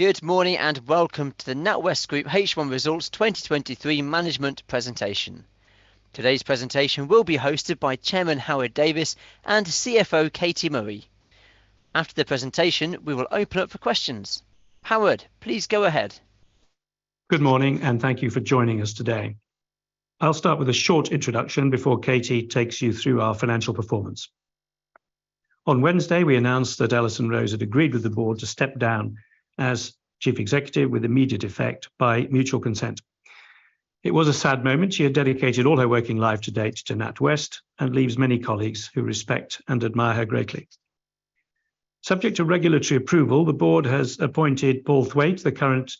Good morning, welcome to the NatWest Group H1 Results 2023 Management Presentation. Today's presentation will be hosted by Chairman Howard Davies and CFO Katie Murray. After the presentation, we will open up for questions. Howard, please go ahead. Good morning, and thank you for joining us today. I'll start with a short introduction before Katie takes you through our financial performance. On Wednesday, we announced that Alison Rose had agreed with the board to step down as chief executive with immediate effect by mutual consent. It was a sad moment. She had dedicated all her working life to date to NatWest and leaves many colleagues who respect and admire her greatly. Subject to regulatory approval, the board has appointed Paul Thwaite, the current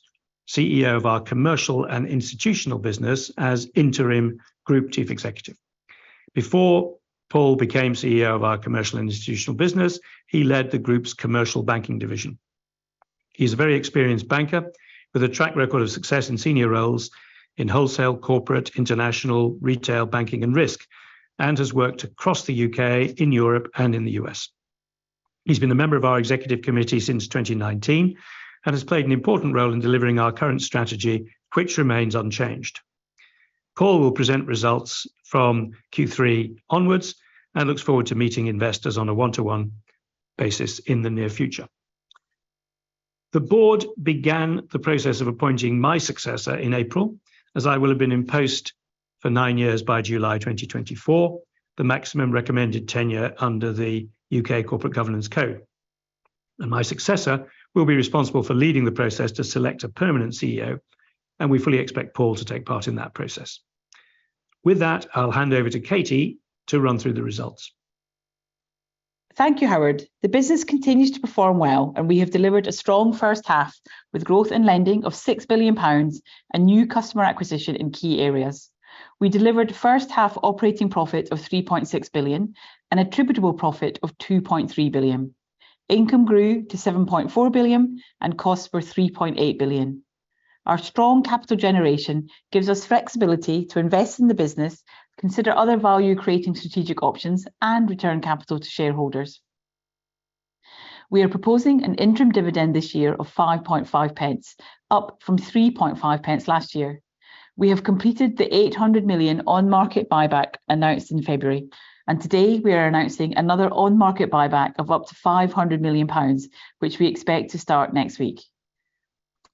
CEO of our Commercial & Institutional business, as interim group chief executive. Before Paul became CEO of our Commercial & Institutional business, he led the group's commercial banking division. He's a very experienced banker with a track record of success in senior roles in wholesale, corporate, international, retail banking, and risk, and has worked across the U.K., in Europe, and in the U.S. He's been a member of our executive committee since 2019 and has played an important role in delivering our current strategy, which remains unchanged. Paul will present results from Q3 onwards and looks forward to meeting investors on a one-to-one basis in the near future. The board began the process of appointing my successor in April, as I will have been in post for nine years by July 2024, the maximum recommended tenure under the U.K. Corporate Governance Code. My successor will be responsible for leading the process to select a permanent CEO, and we fully expect Paul to take part in that process. With that, I'll hand over to Katie to run through the results. Thank you, Howard. We have delivered a strong first half, with growth in lending of 6 billion pounds and new customer acquisition in key areas. We delivered first half operating profit of 3.6 billion and attributable profit of 2.3 billion. Income grew to 7.4 billion, and costs were 3.8 billion. Our strong capital generation gives us flexibility to invest in the business, consider other value-creating strategic options, and return capital to shareholders. We are proposing an interim dividend this year of 0.055, up from 0.035 last year. We have completed the 800 million on-market buyback announced in February, and today we are announcing another on-market buyback of up to 500 million pounds, which we expect to start next week.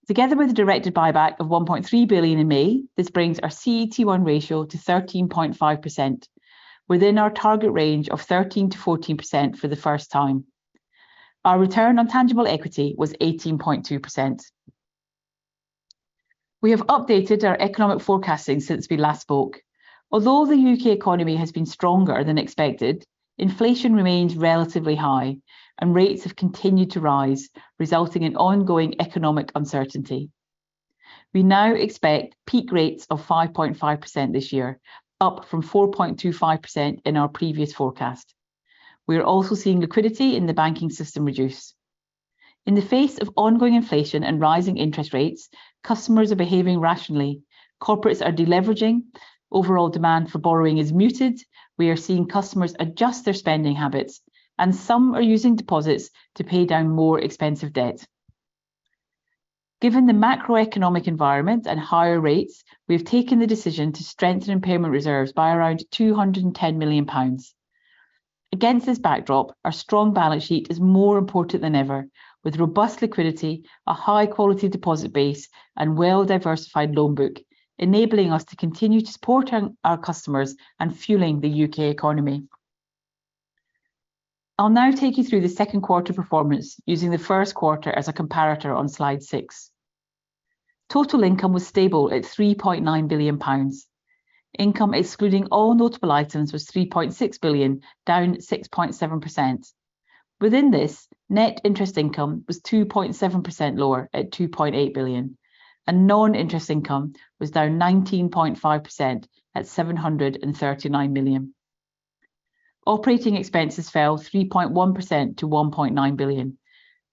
Together with a directed buyback of 1.3 billion in May, this brings our CET1 ratio to 13.5%, within our target range of 13%-14% for the first time. Our return on tangible equity was 18.2%. We have updated our economic forecasting since we last spoke. Although the U.K. economy has been stronger than expected, inflation remains relatively high, and rates have continued to rise, resulting in ongoing economic uncertainty. We now expect peak rates of 5.5% this year, up from 4.25% in our previous forecast. We are also seeing liquidity in the banking system reduce. In the face of ongoing inflation and rising interest rates, customers are behaving rationally. Corporates are deleveraging. Overall demand for borrowing is muted. We are seeing customers adjust their spending habits, and some are using deposits to pay down more expensive debt. Given the macroeconomic environment and higher rates, we have taken the decision to strengthen impairment reserves by around 210 million pounds. Against this backdrop, our strong balance sheet is more important than ever, with robust liquidity, a high-quality deposit base, and well-diversified loan book, enabling us to continue to support our customers and fueling the U.K. economy. I'll now take you through the second quarter performance, using the first quarter as a comparator on slide 6. Total income was stable at 3.9 billion pounds. Income, excluding all notable items, was 3.6 billion, down 6.7%. Within this, net interest income was 2.7% lower at 2.8 billion, and non-interest income was down 19.5% at 739 million. Operating expenses fell 3.1% to 1.9 billion.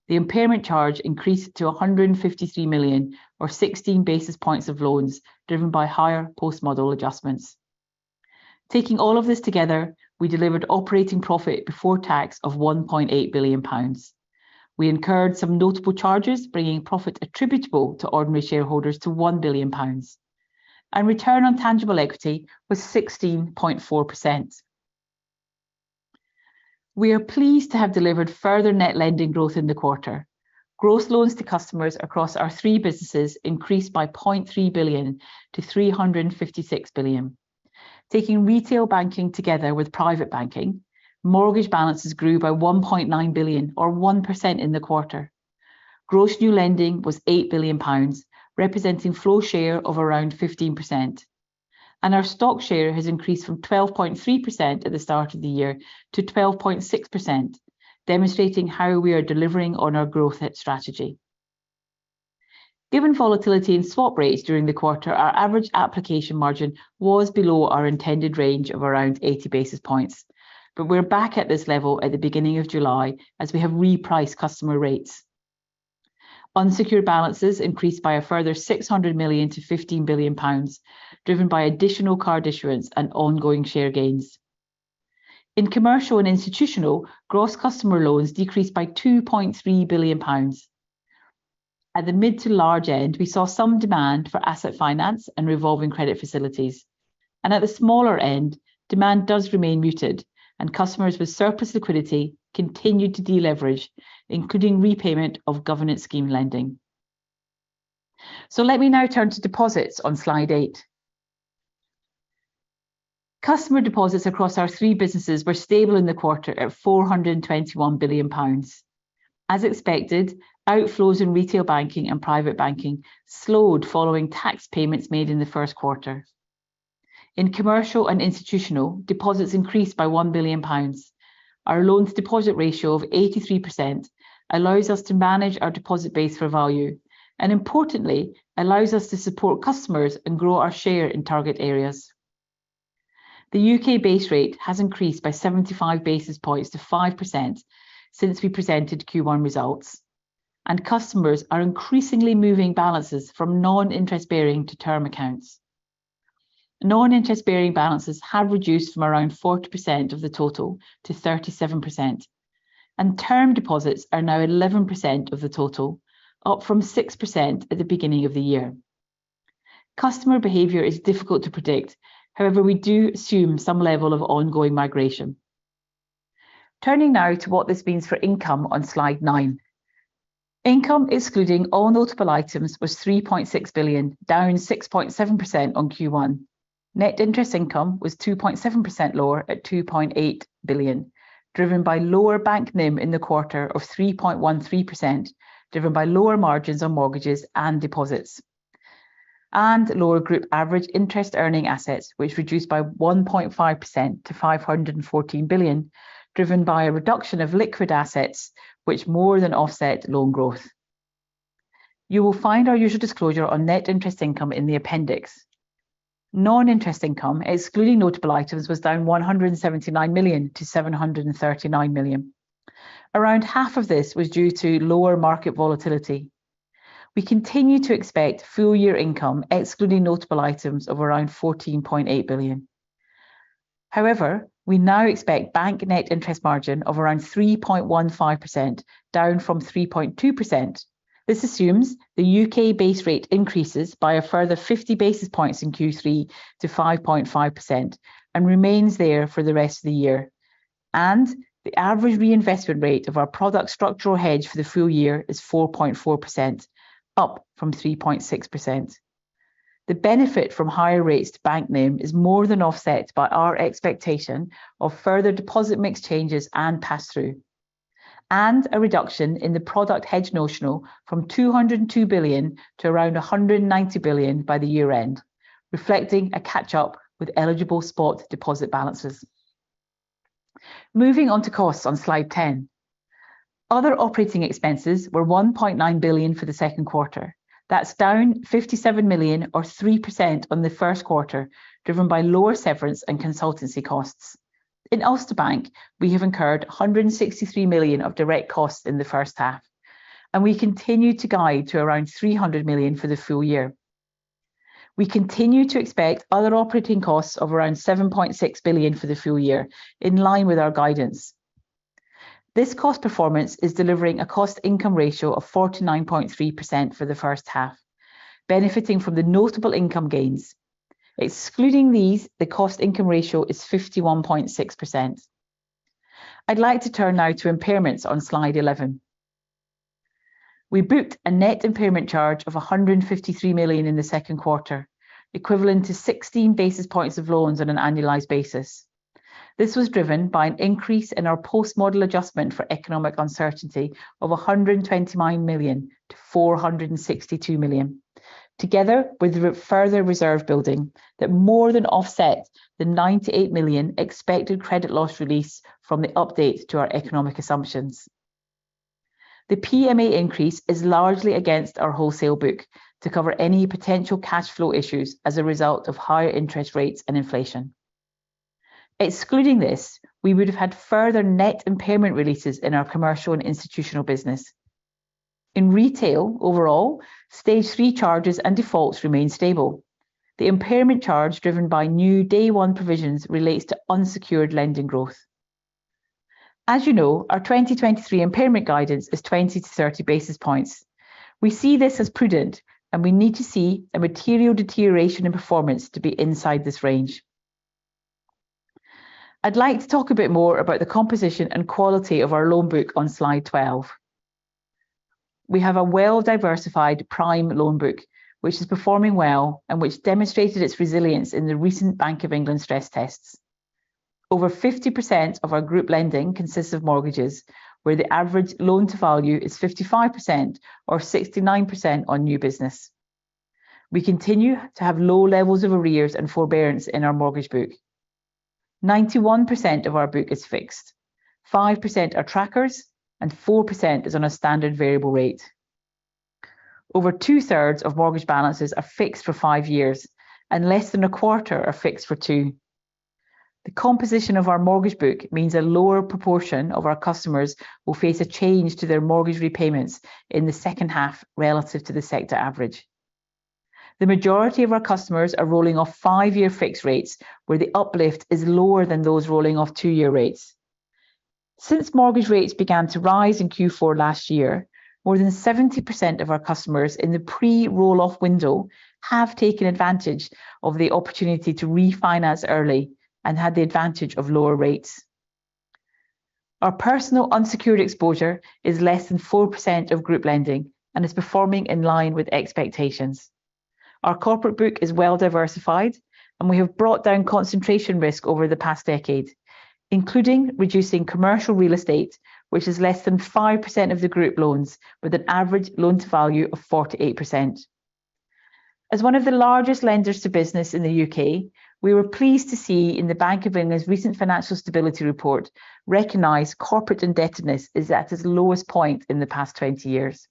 The impairment charge increased to 153 million or 16 basis points of loans, driven by higher postmodel adjustments. Taking all of this together, we delivered operating profit before tax of 1.8 billion pounds. We incurred some notable charges, bringing profit attributable to ordinary shareholders to 1 billion pounds, and return on tangible equity was 16.4%. We are pleased to have delivered further net lending growth in the quarter. Gross loans to customers across our three businesses increased by 0.3 billion to 356 billion. Taking retail banking together with private banking, mortgage balances grew by 1.9 billion or 1% in the quarter. Gross new lending was 8 billion pounds, representing flow share of around 15%. Our stock share has increased from 12.3% at the start of the year to 12.6%, demonstrating how we are delivering on our growth hit strategy. We're back at this level at the beginning of July as we have repriced customer rates. Unsecured balances increased by a further 600 million to 15 billion pounds, driven by additional card issuance and ongoing share gains. In commercial and institutional, gross customer loans decreased by 2.3 billion pounds. At the mid to large end, we saw some demand for asset finance and revolving credit facilities, and at the smaller end, demand does remain muted, and customers with surplus liquidity continued to deleverage, including repayment of government scheme lending. Let me now turn to deposits on slide 8. Customer deposits across our three businesses were stable in the quarter at 421 billion pounds. As expected, outflows in retail banking and private banking slowed following tax payments made in the first quarter. In Commercial & Institutional, deposits increased by 1 billion pounds. Our loans deposit ratio of 83% allows us to manage our deposit base for value, and importantly, allows us to support customers and grow our share in target areas. The U.K. base rate has increased by 75 basis points to 5% since we presented Q1 results. Customers are increasingly moving balances from non-interest-bearing to term accounts. Non-interest-bearing balances have reduced from around 40% of the total to 37%. Term deposits are now 11% of the total, up from 6% at the beginning of the year. Customer behavior is difficult to predict. However, we do assume some level of ongoing migration. Turning now to what this means for income on slide 9. Income, excluding all notable items, was 3.6 billion, down 6.7% on Q1. Net interest income was 2.7% lower at 2.8 billion, driven by lower Bank NIM in the quarter of 3.13%, driven by lower margins on mortgages and deposits, and lower group average interest earning assets, which reduced by 1.5% to 514 billion, driven by a reduction of liquid assets, which more than offset loan growth. You will find our usual disclosure on net interest income in the appendix. Non-interest income, excluding notable items, was down 179 million to 739 million. Around half of this was due to lower market volatility. We continue to expect full year income, excluding notable items, of around 14.8 billion. However, we now expect bank net interest margin of around 3.15%, down from 3.2%. This assumes the U.K. base rate increases by a further 50 basis points in Q3 to 5.5% and remains there for the rest of the year, and the average reinvestment rate of our product structural hedge for the full year is 4.4%, up from 3.6%. The benefit from higher rates to Bank NIM is more than offset by our expectation of further deposit mix changes and pass-through, and a reduction in the product hedge notional from 202 billion to around 190 billion by the year end, reflecting a catch-up with eligible spot deposit balances. Moving on to costs on slide 10. Other operating expenses were 1.9 billion for the second quarter. That's down 57 million or 3% on the first quarter, driven by lower severance and consultancy costs. In Ulster Bank, we have incurred 163 million of direct costs in the first half. We continue to guide to around 300 million for the full year. We continue to expect other operating costs of around 7.6 billion for the full year, in line with our guidance. This cost performance is delivering a cost income ratio of 49.3% for the first half, benefiting from the notable income gains. Excluding these, the cost income ratio is 51.6%. I'd like to turn now to impairments on slide 11. We booked a net impairment charge of 153 million in the second quarter, equivalent to 16 basis points of loans on an annualized basis. This was driven by an increase in our post-model adjustment for economic uncertainty of 129 million to 462 million, together with further reserve building that more than offset the 98 million expected credit loss release from the update to our economic assumptions. The PMA increase is largely against our wholesale book to cover any potential cash flow issues as a result of higher interest rates and inflation. Excluding this, we would have had further net impairment releases in our Commercial & Institutional business. In retail, overall, Stage 3 charges and defaults remain stable. The impairment charge, driven by new Day 1 provisions, relates to unsecured lending growth. As you know, our 2023 impairment guidance is 20-30 basis points. We see this as prudent, and we need to see a material deterioration in performance to be inside this range. I'd like to talk a bit more about the composition and quality of our loan book on slide 12. We have a well-diversified prime loan book, which is performing well and which demonstrated its resilience in the recent Bank of England stress tests. Over 50% of our group lending consists of mortgages, where the average loan to value is 55% or 69% on new business. We continue to have low levels of arrears and forbearance in our mortgage book. 91% of our book is fixed, 5% are trackers, and 4% is on a standard variable rate. Over 2/3 of mortgage balances are fixed for five years, and less than a quarter are fixed for two. The composition of our mortgage book means a lower proportion of our customers will face a change to their mortgage repayments in the second half relative to the sector average. The majority of our customers are rolling off five-year fixed rates, where the uplift is lower than those rolling off two-year rates. Since mortgage rates began to rise in Q4 last year, more than 70% of our customers in the pre-roll-off window have taken advantage of the opportunity to refinance early and had the advantage of lower rates. Our personal unsecured exposure is less than 4% of group lending and is performing in line with expectations. Our corporate book is well-diversified, and we have brought down concentration risk over the past decade, including reducing commercial real estate, which is less than 5% of the group loans, with an average loan-to-value of 48%. As one of the largest lenders to business in the U.K., we were pleased to see in the Bank of England's recent Financial Stability Report recognize corporate indebtedness is at its lowest point in the past 20 years.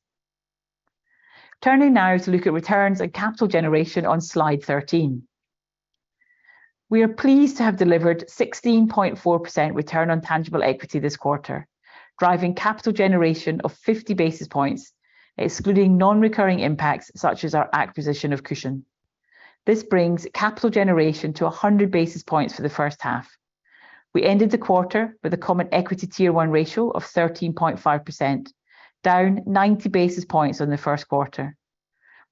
Turning now to look at returns and capital generation on slide 13. We are pleased to have delivered 16.4% return on tangible equity this quarter, driving capital generation of 50 basis points, excluding non-recurring impacts, such as our acquisition of Cushon. This brings capital generation to 100 basis points for the first half. We ended the quarter with a common Equity Tier 1 ratio of 13.5%, down 90 basis points on the first quarter.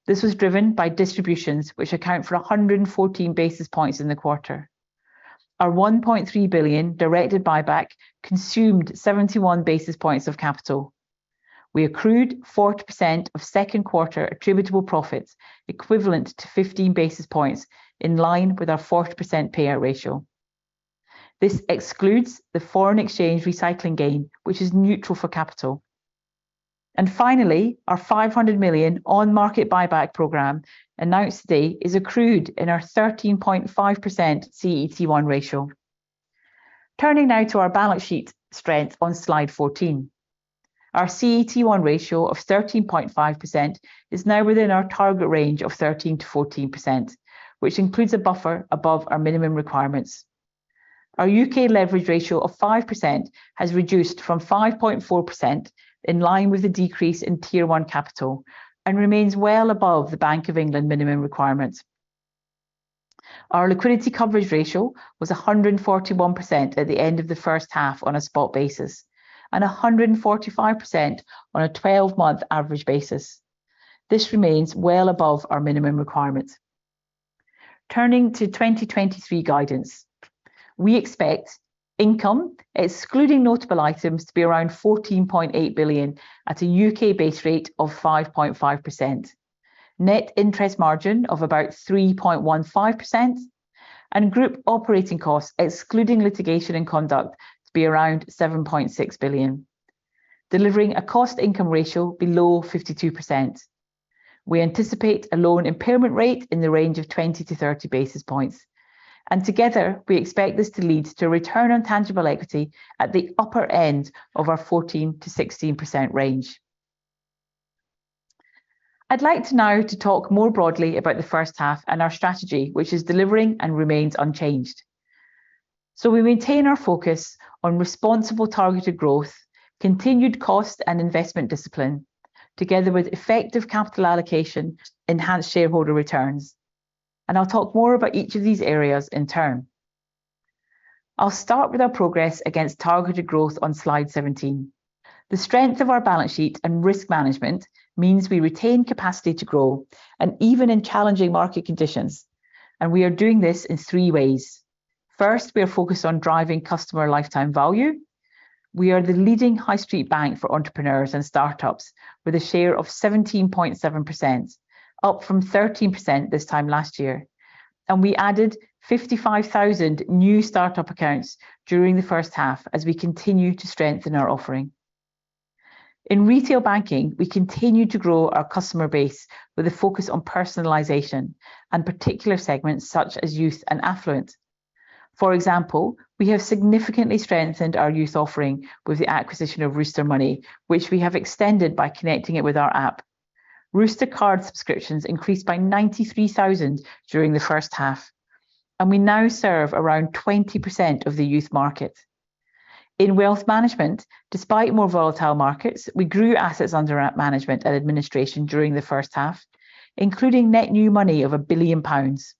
This was driven by distributions which account for 114 basis points in the quarter. Our 1.3 billion directed buyback consumed 71 basis points of capital. We accrued 40% of second quarter attributable profits, equivalent to 15 basis points, in line with our 40% payout ratio. This excludes the foreign exchange recycling gain, which is neutral for capital. Finally, our 500 million on-market buyback program announced today is accrued in our 13.5% CET1 ratio. Turning now to our balance sheet strength on slide 14. Our CET1 ratio of 13.5% is now within our target range of 13%-14%, which includes a buffer above our minimum requirements. Our U.K. leverage ratio of 5% has reduced from 5.4%, in line with the decrease in Tier 1 capital, and remains well above the Bank of England minimum requirements. Our liquidity coverage ratio was 141% at the end of the first half on a spot basis, and 145% on a 12-month average basis. This remains well above our minimum requirements. Turning to 2023 guidance. We expect income, excluding notable items, to be around 14.8 billion at a U.K. base rate of 5.5%. Net interest margin of about 3.15%, and group operating costs, excluding litigation and conduct, to be around 7.6 billion, delivering a cost income ratio below 52%. We anticipate a loan impairment rate in the range of 20-30 basis points, and together, we expect this to lead to a return on tangible equity at the upper end of our 14%-16% range. I'd like to now to talk more broadly about the first half and our strategy, which is delivering and remains unchanged. We maintain our focus on responsible targeted growth, continued cost and investment discipline, together with effective capital allocation, enhanced shareholder returns. I'll talk more about each of these areas in turn. I'll start with our progress against targeted growth on slide 17. The strength of our balance sheet and risk management means we retain capacity to grow even in challenging market conditions. We are doing this in three ways. First, we are focused on driving customer lifetime value. We are the leading high street bank for entrepreneurs and startups with a share of 17.7%, up from 13% this time last year, and we added 55,000 new startup accounts during the first half as we continue to strengthen our offering. In retail banking, we continue to grow our customer base with a focus on personalization and particular segments such as youth and affluent. For example, we have significantly strengthened our youth offering with the acquisition of Rooster Money, which we have extended by connecting it with our app. Rooster card subscriptions increased by 93,000 during the first half, and we now serve around 20% of the youth market. In wealth management, despite more volatile markets, we grew assets under our management and administration during the first half, including net new money of 1 billion pounds.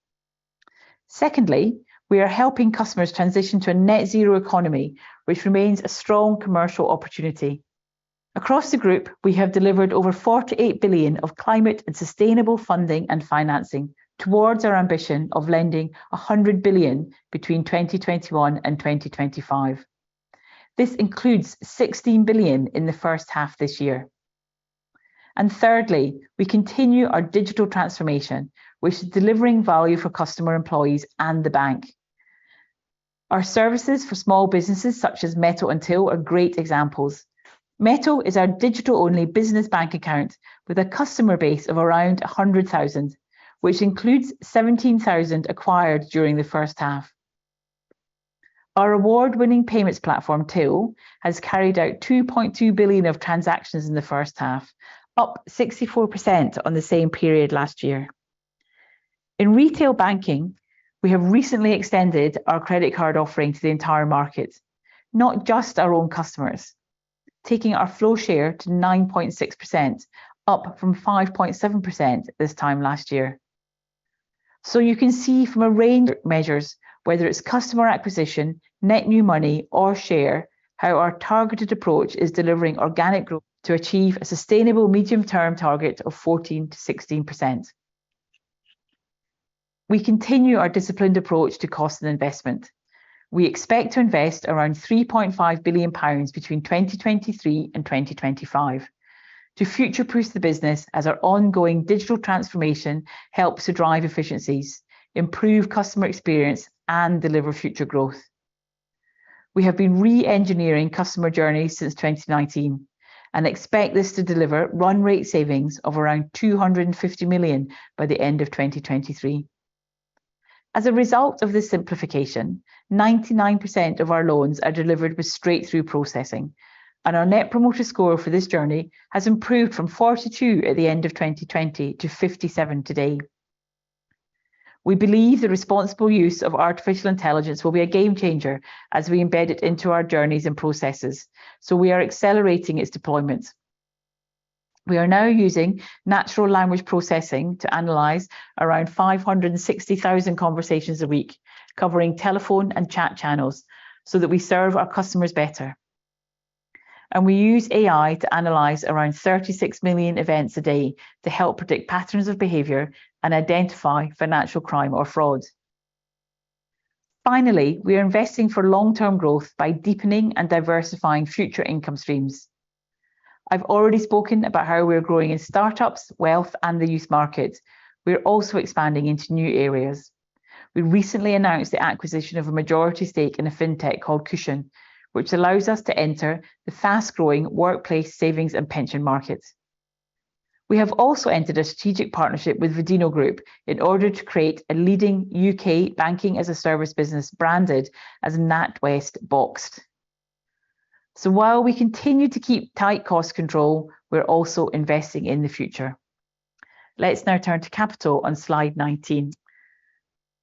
Secondly, we are helping customers transition to a net zero economy, which remains a strong commercial opportunity. Across the group, we have delivered over 48 billion of climate and sustainable funding and financing towards our ambition of lending 100 billion between 2021 and 2025. This includes 16 billion in the first half this year. Thirdly, we continue our digital transformation, which is delivering value for customer, employees, and the bank. Our services for small businesses, such as Mettle and Tyl, are great examples. Mettle is our digital-only business bank account with a customer base of around 100,000, which includes 17,000 acquired during the first half. Our award-winning payments platform, Tyl, has carried out 2.2 billion of transactions in the first half, up 64% on the same period last year. In retail banking, we have recently extended our credit card offering to the entire market, not just our own customers, taking our flow share to 9.6%, up from 5.7% this time last year. You can see from a range of measures, whether it's customer acquisition, net new money, or share, how our targeted approach is delivering organic growth to achieve a sustainable medium-term target of 14%-16%. We continue our disciplined approach to cost and investment. We expect to invest around 3.5 billion pounds between 2023 and 2025 to future-proof the business as our ongoing digital transformation helps to drive efficiencies, improve customer experience, and deliver future growth. We have been re-engineering customer journeys since 2019, and expect this to deliver run rate savings of around 250 million by the end of 2023. As a result of this simplification, 99% of our loans are delivered with straight-through processing, and our net promoter score for this journey has improved from 42 at the end of 2020 to 57 today. We believe the responsible use of artificial intelligence will be a game changer as we embed it into our journeys and processes, so we are accelerating its deployment. We are now using natural language processing to analyze around 560,000 conversations a week, covering telephone and chat channels, so that we serve our customers better. We use AI to analyze around 36 million events a day to help predict patterns of behavior and identify financial crime or fraud. Finally, we are investing for long-term growth by deepening and diversifying future income streams. I've already spoken about how we are growing in startups, wealth, and the youth market. We are also expanding into new areas. We recently announced the acquisition of a majority stake in a fintech called Cushon, which allows us to enter the fast-growing workplace savings and pension markets. We have also entered a strategic partnership with Vodeno Group in order to create a leading U.K. banking-as-a-service business branded as NatWest Boxed. While we continue to keep tight cost control, we're also investing in the future. Let's now turn to capital on slide 19.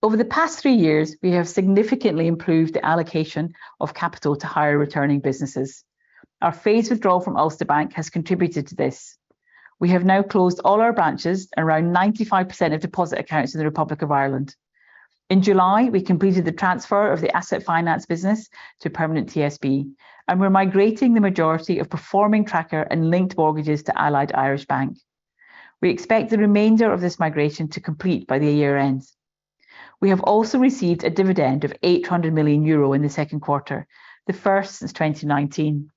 Over the past 3 years, we have significantly improved the allocation of capital to higher-returning businesses. Our phased withdrawal from Ulster Bank has contributed to this. We have now closed all our branches and around 95% of deposit accounts in the Republic of Ireland. In July, we completed the transfer of the asset finance business to permanent TSB, and we're migrating the majority of performing tracker and linked mortgages to Allied Irish Bank. We expect the remainder of this migration to complete by the year end. We have also received a dividend of 800 million euro in the second quarter, the first since 2019.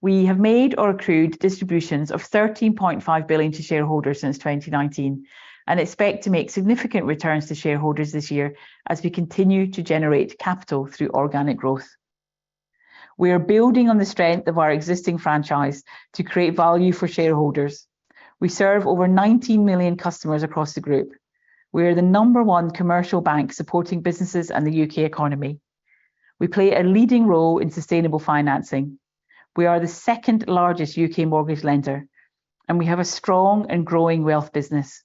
We have made or accrued distributions of 13.5 billion to shareholders since 2019, and expect to make significant returns to shareholders this year as we continue to generate capital through organic growth. We are building on the strength of our existing franchise to create value for shareholders. We serve over 19 million customers across the Group. We are the number one commercial bank supporting businesses and the U.K. economy. We play a leading role in sustainable financing. We are the second largest U.K. mortgage lender, and we have a strong and growing wealth business.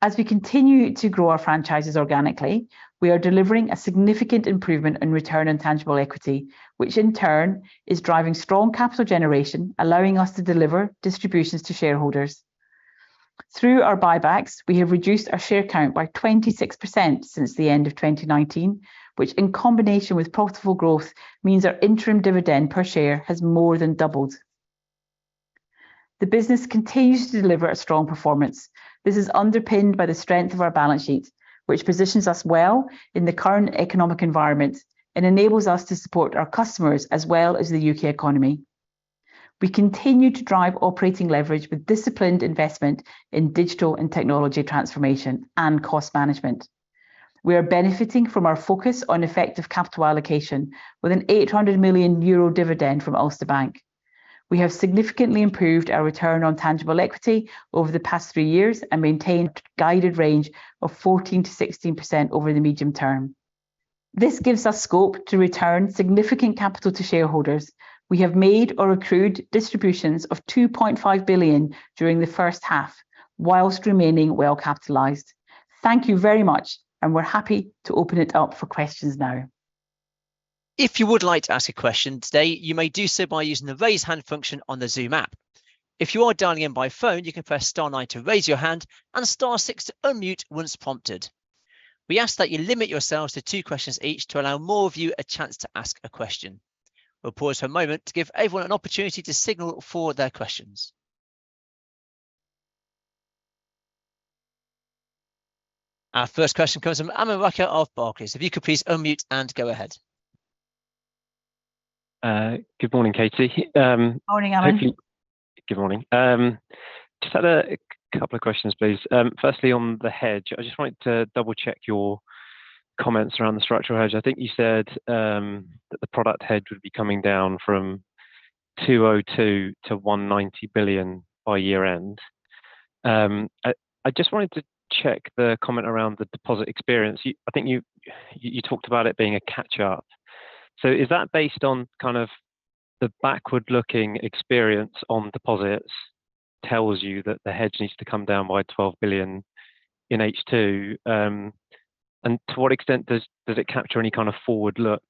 As we continue to grow our franchises organically, we are delivering a significant improvement in return on tangible equity, which in turn is driving strong capital generation, allowing us to deliver distributions to shareholders. Through our buybacks, we have reduced our share count by 26% since the end of 2019, which, in combination with profitable growth, means our interim dividend per share has more than doubled. The business continues to deliver a strong performance. This is underpinned by the strength of our balance sheet, which positions us well in the current economic environment and enables us to support our customers as well as the U.K. economy. We continue to drive operating leverage with disciplined investment in digital and technology transformation and cost management. We are benefiting from our focus on effective capital allocation with a 800 million euro dividend from Ulster Bank. We have significantly improved our return on tangible equity over the past three years and maintained guided range of 14%-16% over the medium term. This gives us scope to return significant capital to shareholders. We have made or accrued distributions of 2.5 billion during the first half, while remaining well capitalized. Thank you very much, and we're happy to open it up for questions now. If you would like to ask a question today, you may do so by using the Raise Hand function on the Zoom app. If you are dialing in by phone, you can press star nine to raise your hand and star six to unmute once prompted. We ask that you limit yourselves to two questions each to allow more of you a chance to ask a question. We'll pause for a moment to give everyone an opportunity to signal for their questions. Our first question comes from Aman Rakkar of Barclays. If you could please unmute and go ahead. Good morning, Katie. Morning, Aman. Hopefully. Good morning. Just had a couple of questions, please. Firstly, on the hedge, I just wanted to double-check your comments around the structural hedge. I think you said that the product hedge would be coming down from 202 billion to 190 billion by year-end. I just wanted to check the comment around the deposit experience. I think you talked about it being a catch-up. Is that based on kind of the backward-looking experience on deposits, tells you that the hedge needs to come down by 12 billion in H2? To what extent does it capture any kind of forward look,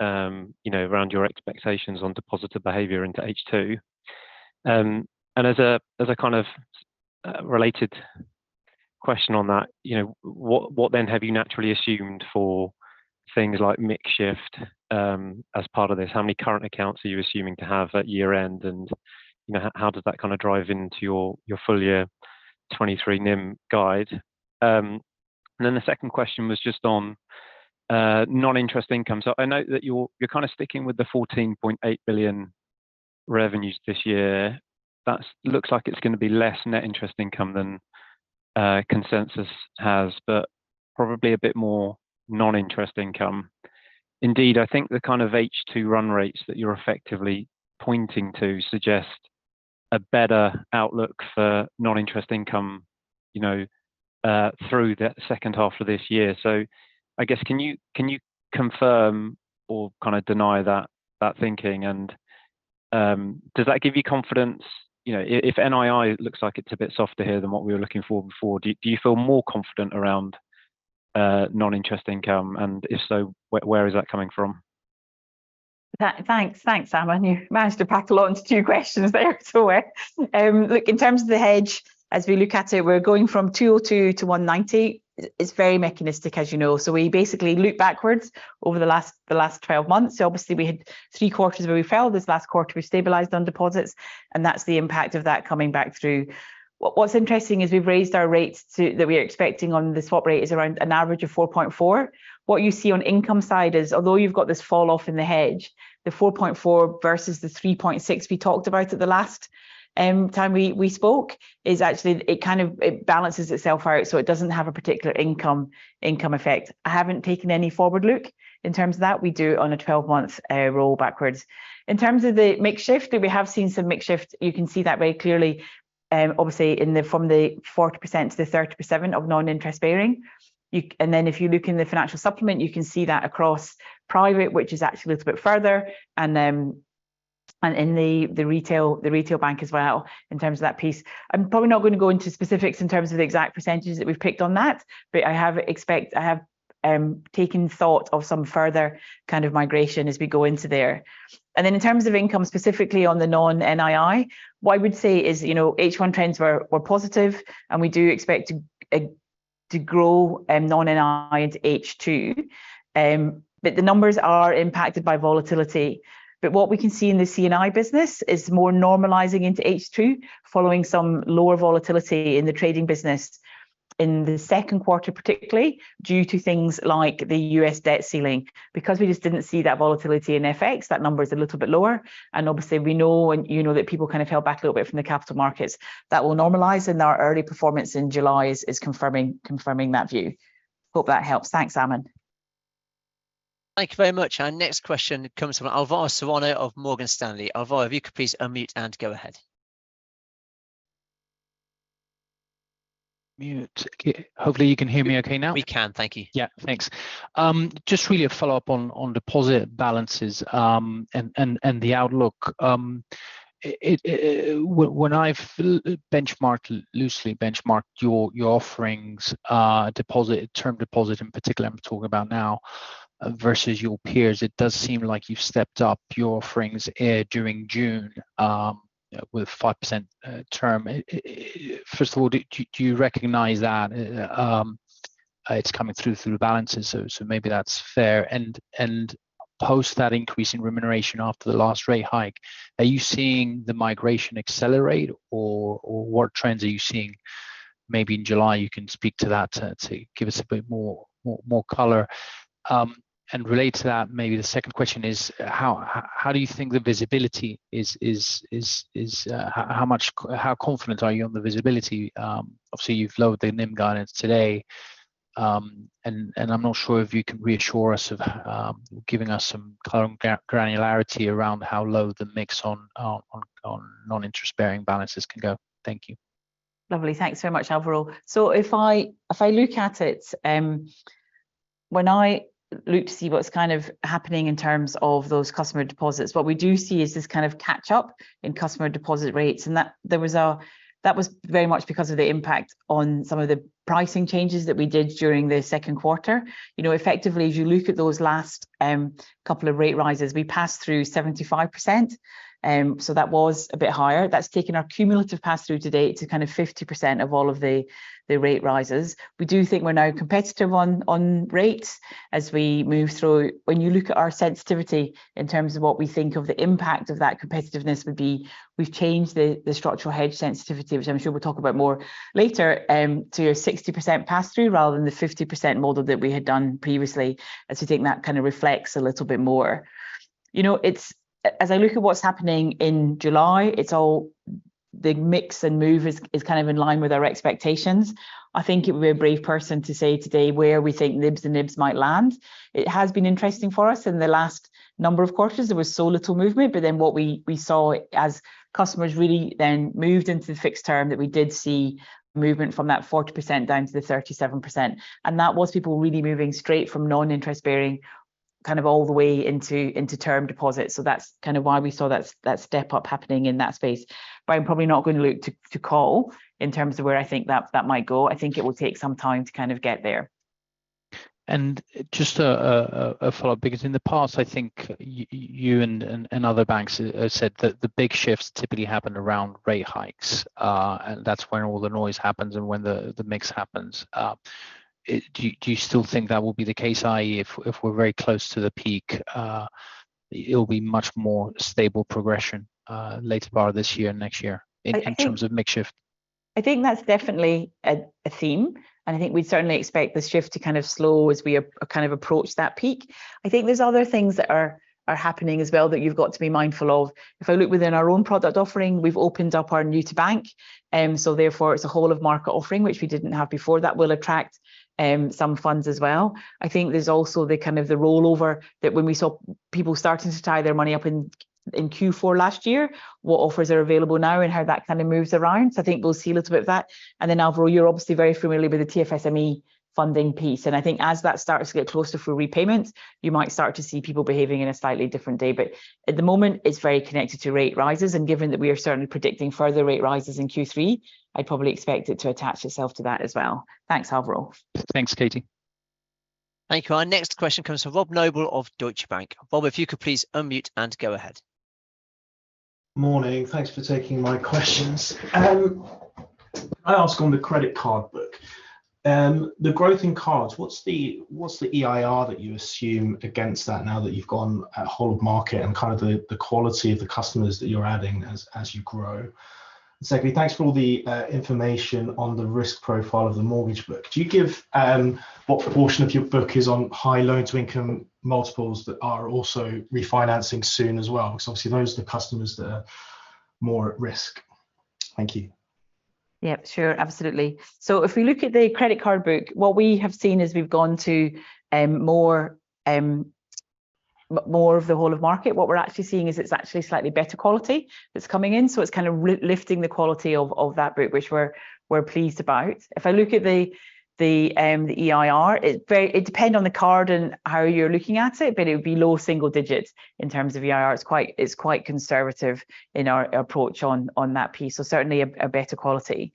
you know, around your expectations on deposit behavior into H2? As a, as a kind of, related question on that, you know, what, what have you naturally assumed for things like mix shift as part of this? How many current accounts are you assuming to have at year-end? You know, how, how does that kind of drive into your, your full year 2023 NIM guide? The second question was just on non-interest income. I know that you're, you're kind of sticking with the 14.8 billion revenues this year. That looks like it's gonna be less net interest income than consensus has, but probably a bit more non-interest income. Indeed, I think the kind of H2 run rates that you're effectively pointing to suggest a better outlook for non-interest income, you know, through the second half of this year. I guess, can you, can you confirm or kind of deny that, that thinking? Does that give you confidence? You know, if NII looks like it's a bit softer here than what we were looking for before, do, do you feel more confident around non-interest income, and if so, where, where is that coming from? Thanks. Thanks, Aman. You managed to pack along two questions there. Look, in terms of the hedge, as we look at it, we're going from 202 billion to 190 billion. It's very mechanistic, as you know. We basically look backwards over the last, the last 12 months. Obviously, we had three quarters where we fell. This last quarter, we stabilized on deposits, and that's the impact of that coming back through. What's interesting is we've raised our rates to-- that we're expecting on the swap rate is around an average of 4.4. What you see on income side is, although you've got this fall off in the hedge, the 4.4 versus the 3.6 we talked about at the last time we spoke, is actually...it kind of it balances itself out, so it doesn't have a particular income, income effect. I haven't taken any forward look in terms of that. We do it on a 12-month, roll backwards. In terms of the mix shift, we have seen some mix shift. You can see that very clearly, obviously, in the from the 40% to the 37% of non-interest bearing. You and then, if you look in the financial supplement, you can see that across private, which is actually a little bit further, and then, and in the, the retail, the retail bank as well, in terms of that piece. I'm probably not gonna go into specifics in terms of the exact percentages that we've picked on that, but I have I have taken thought of some further kind of migration as we go into there. In terms of income, specifically on the non-NII, what I would say is, you know, H1 trends were, were positive, and we do expect to grow non-NII into H2. The numbers are impacted by volatility. What we can see in the C&I business is more normalising into H2, following some lower volatility in the trading business in the second quarter, particularly, due to things like the U.S. debt ceiling. Because we just didn't see that volatility in FX, that number is a little bit lower, and obviously, we know, and you know that people kind of held back a little bit from the capital markets. That will normalize, and our early performance in July is, is confirming, confirming that view. Hope that helps. Thanks, Aman. Thank you very much. Our next question comes from Alvaro Serrano of Morgan Stanley. Alvaro, if you could please unmute and go ahead. Mute. Hopefully, you can hear me okay now. We can. Thank you. Yeah, thanks. Just really a follow-up on, on deposit balances, and, and, and the outlook. When I've benchmarked, loosely benchmarked your, your offerings, deposit, term deposit in particular, I'm talking about now, versus your peers, it does seem like you've stepped up your offerings, during June, with a 5% term. First of all, do, do you recognise that, it's coming through from the balances, so, so maybe that's fair? Post that increase in remuneration after the last rate hike, are you seeing the migration accelerate, or, or what trends are you seeing? Maybe in July, you can speak to that, to, to give us a bit more, more color. Relate to that, maybe the second question is: how, how do you think the visibility is... How much, how confident are you on the visibility? Obviously, you've lowered the NIM guidance today, and I'm not sure if you can reassure us of giving us some clear granularity around how low the mix on non-interest-bearing balances can go. Thank you. Lovely. Thanks so much, Alvaro. If I, if I look at it, when I look to see what's kind of happening in terms of those customer deposits, what we do see is this kind of catch-up in customer deposit rates, and that there was that was very much because of the impact on some of the pricing changes that we did during the second quarter. You know, effectively, as you look at those last couple of rate rises, we passed through 75%, so that was a bit higher. That's taken our cumulative pass-through to date to kind of 50% of all of the, the rate rises. We do think we're now competitive on, on rates as we move through. When you look at our sensitivity in terms of what we think of the impact of that competitiveness would be, we've changed the, the structural hedge sensitivity, which I'm sure we'll talk about more later, to a 60% pass-through, rather than the 50% model that we had done previously. I do think that kind of reflects a little bit more. You know, as I look at what's happening in July, the mix and move is, is kind of in line with our expectations. I think it would be a brave person to say today where we think NIMs and NIBs might land. It has been interesting for us. In the last number of quarters, there was so little movement, but then what we, we saw as customers really then moved into the fixed term, that we did see movement from that 40% down to the 37%, and that was people really moving straight from non-interest bearing, kind of all the way into, into term deposits, so that's kind of why we saw that step up happening in that space. I'm probably not going to look to, to call in terms of where I think that, that might go. I think it will take some time to kind of get there. Just a follow-up, because in the past, I think you and other banks said that the big shifts typically happen around rate hikes. That's when all the noise happens and when the mix happens. Do you still think that will be the case, i.e., if we're very close to the peak, it'll be much more stable progression later part of this year, next year? I think-... in terms of mix shift? I think that's definitely a theme. I think we'd certainly expect the shift to slow as we approach that peak. I think there's other things that are happening as well that you've got to be mindful of. If I look within our own product offering, we've opened up our new bank, so therefore it's a whole of market offering, which we didn't have before. That will attract some funds as well. I think there's also the rollover that when we saw people starting to tie their money up in, in Q4 last year, what offers are available now and how that moves around. I think we'll see a little bit of that, and then overall, you're obviously very familiar with the TFSME funding piece, and I think as that starts to get closer for repayments, you might start to see people behaving in a slightly different way. At the moment, it's very connected to rate rises, and given that we are certainly predicting further rate rises in Q3, I'd probably expect it to attach itself to that as well. Thanks, Alvaro. Thanks, Katie. Thank you. Our next question comes from Rob Noble of Deutsche Bank. Rob, if you could please unmute and go ahead. Morning. Thanks for taking my questions. I ask on the credit card book. The growth in cards, what's the, what's the EIR that you assume against that now that you've gone at whole of market and kind of the, the quality of the customers that you're adding as, as you grow? Secondly, thanks for all the information on the risk profile of the mortgage book. Do you give what proportion of your book is on high loan-to-income multiples that are also refinancing soon as well? Because obviously, those are the customers that are more at risk. Thank you. Yeah, sure. Absolutely. If we look at the credit card book, what we have seen as we've gone to, more of the whole of market, what we're actually seeing is it's actually slightly better quality that's coming in. It's kind of lifting the quality of, of that group, which we're, we're pleased about. If I look at the, the EIR, it depends on the card and how you're looking at it, but it would be low single digits in terms of EIR. It's quite, it's quite conservative in our approach on, on that piece, so certainly a, a better quality.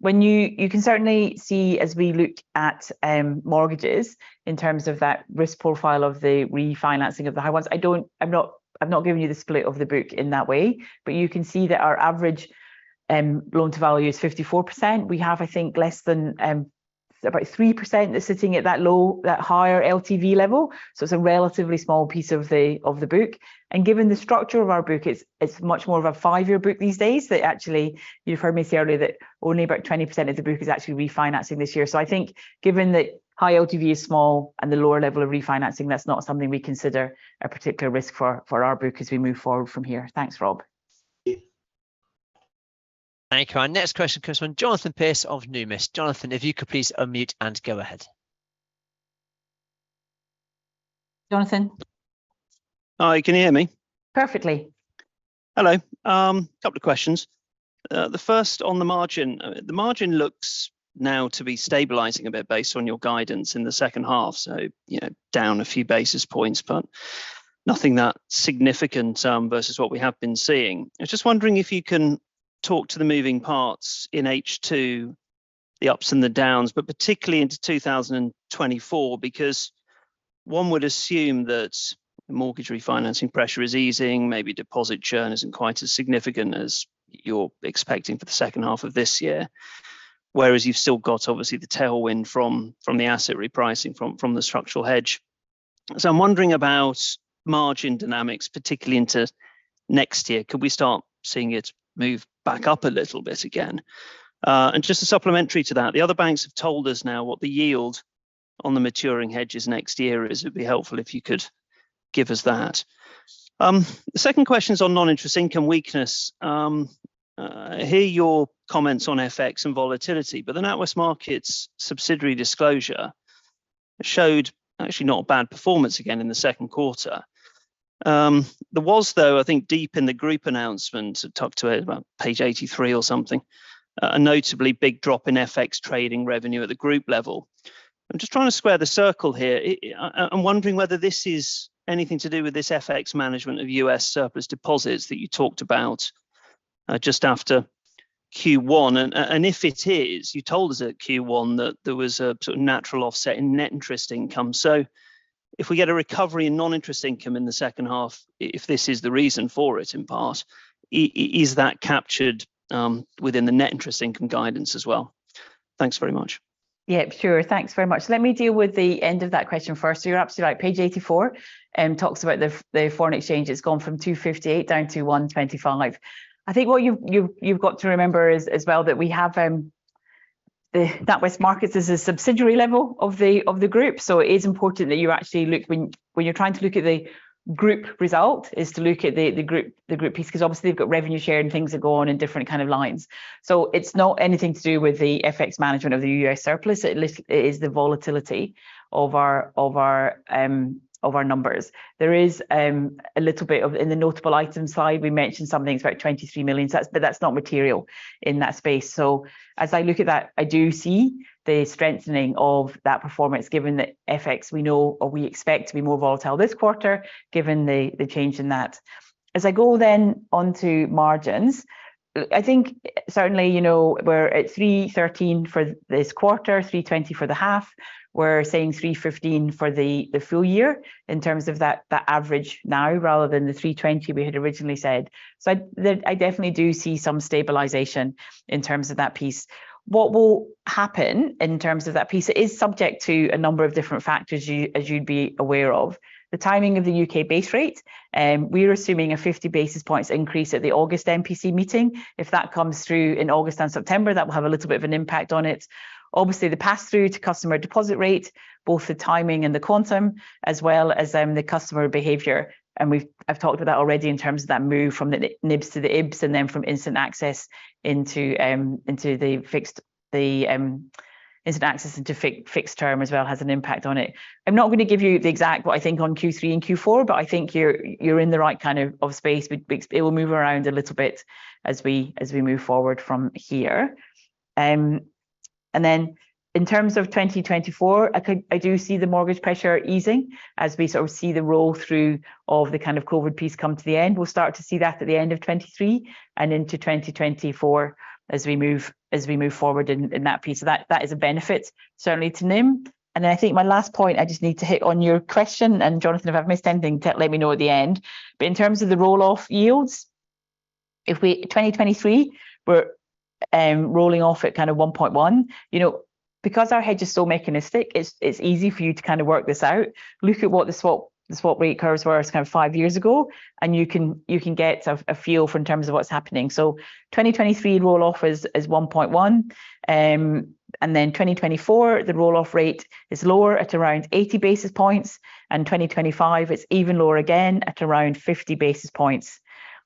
When you can certainly see, as we look at, mortgages, in terms of that risk profile of the refinancing of the high ones, I'm not, I'm not giving you the split of the book in that way, but you can see that our average, loan to value is 54%. We have, I think, less than, about 3% that's sitting at that low, that higher LTV level, so it's a relatively small piece of the, of the book. Given the structure of our book, it's, it's much more of a five-year book these days, that actually, you've heard me say earlier that only about 20% of the book is actually refinancing this year. I think, given that high LTV is small and the lower level of refinancing, that's not something we consider a particular risk for, for our book as we move forward from here. Thanks, Rob. Yeah. Thank you. Our next question comes from Jonathan Pierce of Numis. Jonathan, if you could please unmute and go ahead. Jonathan? Hi, can you hear me? Perfectly. Hello. Couple of questions. The first on the margin. The margin looks now to be stabilizing a bit based on your guidance in the second half, so, you know, down a few basis points, but nothing that significant versus what we have been seeing. I was just wondering if you can talk to the moving parts in H2, the ups and the downs, but particularly into 2024, because one would assume that mortgage refinancing pressure is easing, maybe deposit churn isn't quite as significant as you're expecting for the second half of this year, whereas you've still got, obviously, the tailwind from, from the asset repricing from, from the structural hedge. I'm wondering about margin dynamics, particularly into next year. Could we start seeing it move back up a little bit again? Just a supplementary to that, the other banks have told us now what the yield on the maturing hedges next year is. It'd be helpful if you could give us that. The second question is on non-interest income weakness. Hear your comments on FX and volatility, but the NatWest Markets subsidiary disclosure showed actually not a bad performance again in the second quarter. There was, though, I think deep in the group announcement, at the top to about page 83 or something, a notably big drop in FX trading revenue at the group level. I'm just trying to square the circle here. It, I, I'm wondering whether this is anything to do with this FX management of U.S. surplus deposits that you talked about just after Q1. If it is, you told us at Q1 that there was a sort of natural offset in net interest income. If we get a recovery in non-interest income in the second half, if this is the reason for it in part, is that captured within the net interest income guidance as well? Thanks very much. Yeah, sure. Thanks very much. Let me deal with the end of that question first. You're absolutely right, page 84 talks about the foreign exchange. It's gone from 258 million down to 125 million. I think what you've got to remember is as well, that we have the NatWest Markets is a subsidiary level of the group. It is important that you actually look when, when you're trying to look at the group result, is to look at the group, the group piece, 'cause obviously they've got revenue share and things are going in different kind of lines. It's not anything to do with the FX management of the U.S. surplus. It is the volatility of our, of our, of our numbers. There is a little bit of... In the notable item side, we mentioned something about 23 million, so that's, but that's not material in that space. As I look at that, I do see the strengthening of that performance, given that FX, we know or we expect to be more volatile this quarter, given the, the change in that. As I go then onto margins. I think certainly, you know, we're at 313 million for this quarter, 320 million for the half. We're saying 315 million for the, the full year in terms of that, that average now, rather than the 320 million we had originally said. I, the, I definitely do see some stabilization in terms of that piece. What will happen in terms of that piece, it is subject to a number of different factors, you, as you'd be aware of. The timing of the U.K. base rate, we're assuming a 50 basis points increase at the August MPC meeting. If that comes through in August and September, that will have a little bit of an impact on it. Obviously, the pass-through to customer deposit rate, both the timing and the quantum, as well as, the customer behavior, and I've talked about that already in terms of that move from the, the NIBs to the IBs, and then from instant access into, into the fixed, the, instant access into fixed term as well has an impact on it. I'm not gonna give you the exact what I think on Q3 and Q4, I think you're, you're in the right kind of, of space. It will move around a little bit as we, as we move forward from here. In terms of 2024, I do see the mortgage pressure easing as we sort of see the roll-through of the kind of COVID piece come to the end. We'll start to see that at the end of 2023 and into 2024 as we move, as we move forward in, in that piece. That, that is a benefit certainly to NIM. I think my last point, I just need to hit on your question, and Jonathan, if I've missed anything, let me know at the end. In terms of the roll-off yields, 2023, we're rolling off at kind of 1.1. You know, because our hedge is so mechanistic, it's easy for you to kind of work this out. Look at what the swap, the swap rate curves were kind of five years ago, and you can, you can get a, a feel for in terms of what's happening. 2023 roll-off is 1.1. Then 2024, the roll-off rate is lower at around 80 basis points, and 2025, it's even lower, again, at around 50 basis points.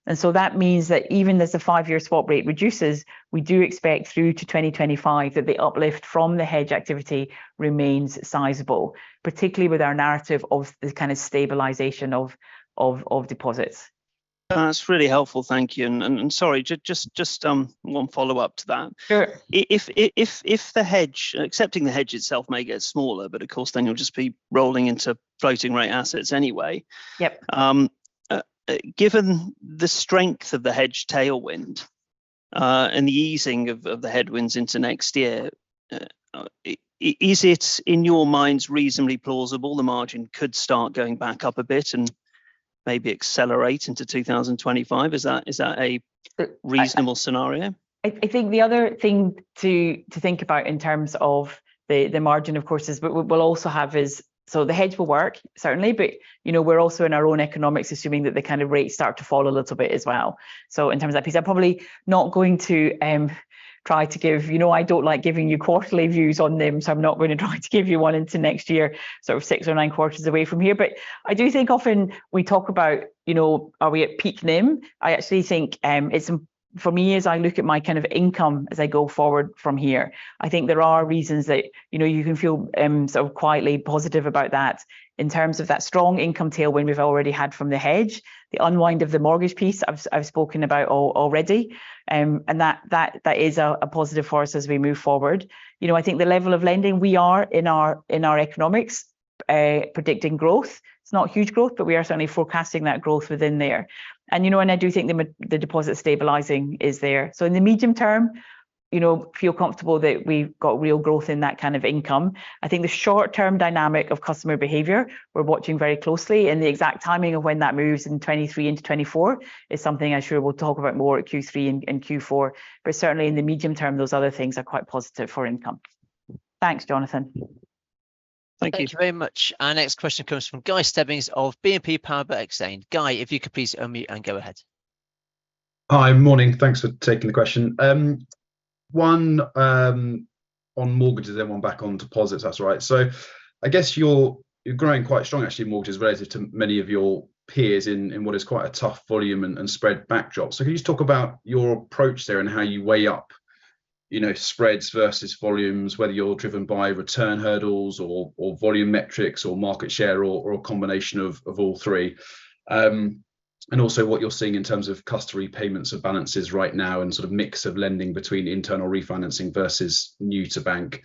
That means that even as the five-year swap rate reduces, we do expect through to 2025 that the uplift from the hedge activity remains sizable, particularly with our narrative of the kind of stabilization of deposits. That's really helpful, thank you, and sorry, just one follow-up to that. Sure. If the hedge, accepting the hedge itself may get smaller, but of course, then you'll just be rolling into floating rate assets anyway. Yep Given the strength of the hedge tailwind, and the easing of, of the headwinds into next year, is it, in your minds, reasonably plausible the margin could start going back up a bit and maybe accelerate into 2025? Uh-... reasonable scenario? I think the other thing to, to think about in terms of the, the margin, of course, is, we- we'll also have is, so the hedge will work, certainly, but, you know, we're also in our own economics, assuming that the kind of rates start to fall a little bit as well. In terms of that piece, I'm probably not going to try to give... You know I don't like giving you quarterly views on NIM, so I'm not gonna try to give you one into next year, sort of six or nine quarters away from here. I do think often we talk about, you know, are we at peak NIM? I actually think, it's, for me, as I look at my kind of income as I go forward from here, I think there are reasons that, you know, you can feel, sort of quietly positive about that in terms of that strong income tailwind we've already had from the hedge, the unwind of the mortgage piece I've spoken about already, and that is a positive for us as we move forward. You know, I think the level of lending, we are, in our, in our economics, predicting growth. It's not huge growth, but we are certainly forecasting that growth within there. You know, I do think the deposit stabilizing is there. In the medium term, you know, feel comfortable that we've got real growth in that kind of income. I think the short-term dynamic of customer behavior, we're watching very closely, and the exact timing of when that moves in 2023 into 2024 is something I'm sure we'll talk about more at Q3 and Q4. Certainly, in the medium term, those other things are quite positive for income. Thanks, Jonathan. Thank you. Thank you very much. Our next question comes from Guy Stebbings of BNP Paribas Exane. Guy, if you could please unmute and go ahead. Hi, morning. Thanks for taking the question. One on mortgages and then one back on deposits, if that's all right. I guess you're, you're growing quite strong, actually, in mortgages relative to many of your peers in, in what is quite a tough volume and, and spread backdrop. Can you just talk about your approach there and how you weigh up, you know, spreads versus volumes, whether you're driven by return hurdles or volume metrics, or market share, or a combination of, of all three? Also what you're seeing in terms of customer repayments of balances right now and sort of mix of lending between internal refinancing versus new to bank.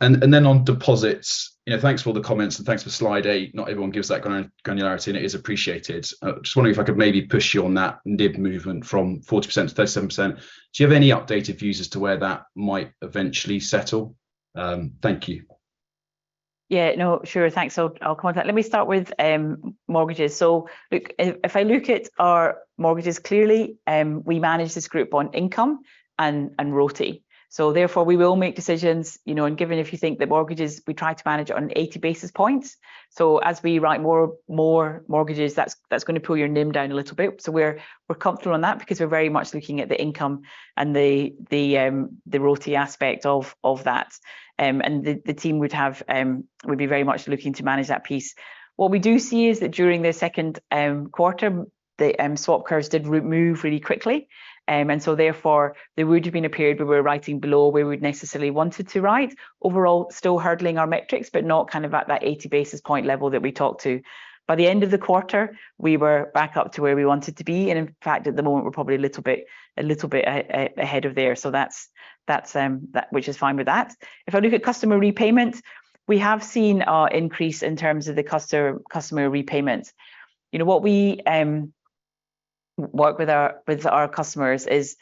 Then on deposits, you know, thanks for all the comments, and thanks for slide eight. Not everyone gives that kind of granularity, and it is appreciated. I was just wondering if I could maybe push you on that NIB movement from 40% to 37%. Do you have any updated views as to where that might eventually settle? Thank you. Yeah, no, sure. Thanks, I'll, I'll come on to that. Let me start with mortgages. Look, if, if I look at our mortgages clearly, we manage this group on income and, and RoTE. Therefore, we will make decisions, you know, and given if you think that mortgages, we try to manage it on 80 basis points. As we write more, more mortgages, that's, that's gonna pull your NIM down a little bit. We're, we're comfortable on that because we're very much looking at the income and the, the, the RoTE aspect of, of that. The, the team would have would be very much looking to manage that piece. What we do see is that during the second quarter, the swap curves did move really quickly. Therefore, there would have been a period where we were writing below where we'd necessarily wanted to write. Overall, still hurdling our metrics, but not kind of at that 80 basis point level that we talked to. By the end of the quarter, we were back up to where we wanted to be, and in fact, at the moment, we're probably a little bit, a little bit ahead of there. That's, that's that, which is fine with that. If I look at customer repayments, we have seen a increase in terms of the customer, customer repayments. You know, what we work with our, with our customers is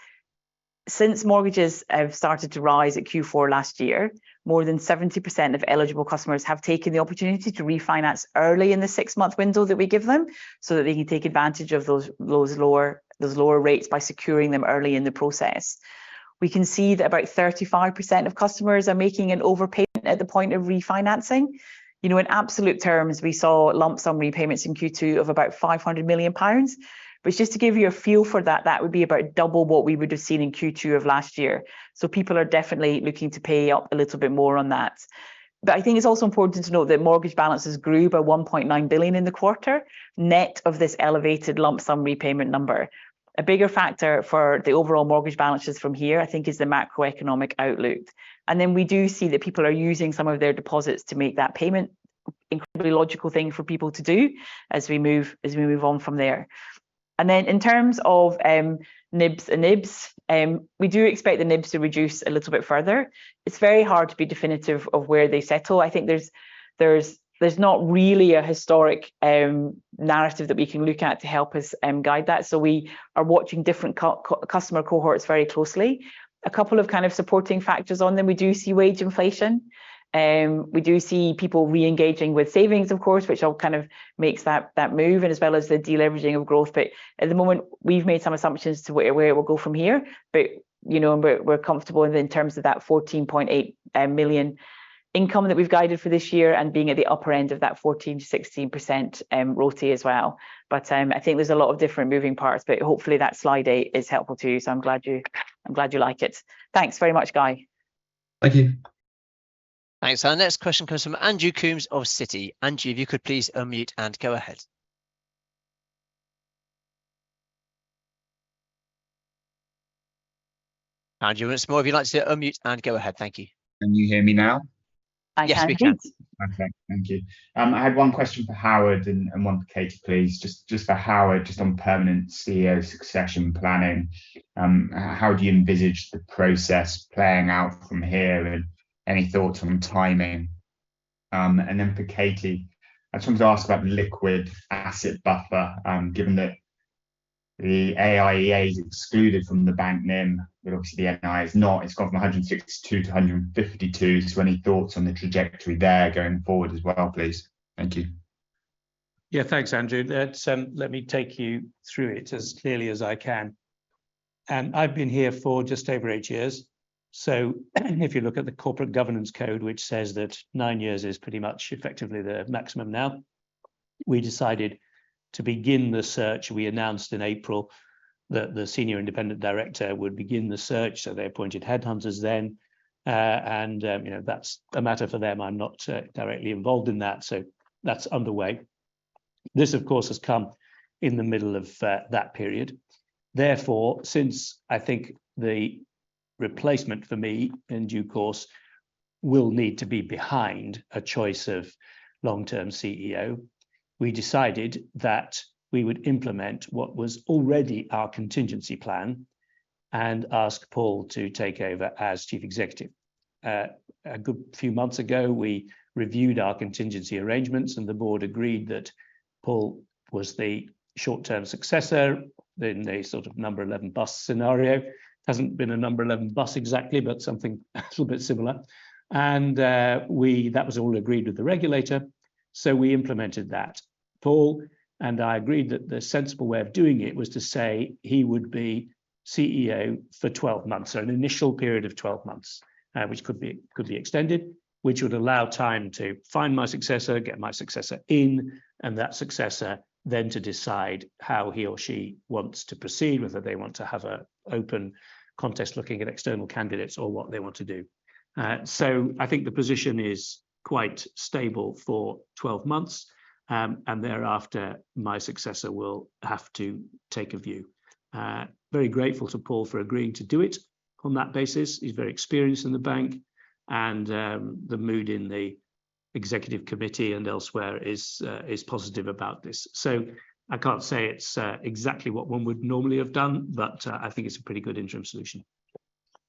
since mortgages have started to rise at Q4 last year, more than 70% of eligible customers have taken the opportunity to refinance early in the six-month window that we give them, so that they can take advantage of those, those lower, those lower rates by securing them early in the process. We can see that about 35% of customers are making an overpayment at the point of refinancing. You know, in absolute terms, we saw lump sum repayments in Q2 of about 500 million pounds. Just to give you a feel for that, that would be about double what we would have seen in Q2 of last year. People are definitely looking to pay up a little bit more on that. I think it's also important to note that mortgage balances grew by 1.9 billion in the quarter, net of this elevated lump sum repayment number. A bigger factor for the overall mortgage balances from here, I think, is the macroeconomic outlook. We do see that people are using some of their deposits to make that payment. Incredibly logical thing for people to do as we move, as we move on from there. In terms of, NIBs and IBs, we do expect the NIBs to reduce a little bit further. It's very hard to be definitive of where they settle. I think there's, there's, there's not really a historic, narrative that we can look at to help us, guide that, so we are watching different customer cohorts very closely. A couple of kind of supporting factors on them. We do see wage inflation, we do see people re-engaging with savings, of course, which all kind of makes that, that move, and as well as the deleveraging of growth. At the moment, we've made some assumptions to where, where it will go from here, but, you know, we're comfortable in terms of that 14.8 million income that we've guided for this year and being at the upper end of that 14%-16% RoTE as well. I think there's a lot of different moving parts, but hopefully that slide 8 is helpful to you, so I'm glad you, I'm glad you like it. Thanks very much, Guy. Thank you. Thanks. Our next question comes from Andrew Coombs of Citi. Andrew, if you could please unmute and go ahead. Andrew, once more, if you'd like to unmute and go ahead. Thank you. Can you hear me now? I can. Yes, we can. Okay. Thank you. I had one question for Howard and one for Katie, please. Just for Howard, on permanent CEO succession planning, how do you envisage the process playing out from here, and any thoughts on timing? Then for Katie, I just wanted to ask about liquid asset buffer, given that the AIEA is excluded from the bank NIM, but obviously NI is not. It's gone from 162 to 152. Any thoughts on the trajectory there going forward as well, please? Thank you. Yeah, thanks, Andrew. Let's, let me take you through it as clearly as I can. I've been here for just over eight years. If you look at the corporate governance code, which says that nine years is pretty much effectively the maximum now, we decided to begin the search. We announced in April that the senior independent director would begin the search, they appointed headhunters then. You know, that's a matter for them. I'm not directly involved in that, that's underway. This, of course, has come in the middle of that period. Therefore, since I think the replacement for me, in due course, will need to be behind a choice of long-term CEO, we decided that we would implement what was already our contingency plan and ask Paul to take over as Chief Executive. A good few months ago, we reviewed our contingency arrangements, and the board agreed that Paul was the short-term successor in a sort of number 11 bus scenario. It hasn't been a number 11 bus exactly, but something a little bit similar. That was all agreed with the regulator, so we implemented that. Paul and I agreed that the sensible way of doing it was to say he would be CEO for 12 months, so an initial period of 12 months, which could be, could be extended, which would allow time to find my successor, get my successor in, and that successor then to decide how he or she wants to proceed, whether they want to have a open contest looking at external candidates or what they want to do. I think the position is quite stable for 12 months, and thereafter, my successor will have to take a view. Very grateful to Paul for agreeing to do it on that basis. He's very experienced in the bank, and the mood in the executive committee and elsewhere is positive about this. I can't say it's exactly what one would normally have done, but I think it's a pretty good interim solution.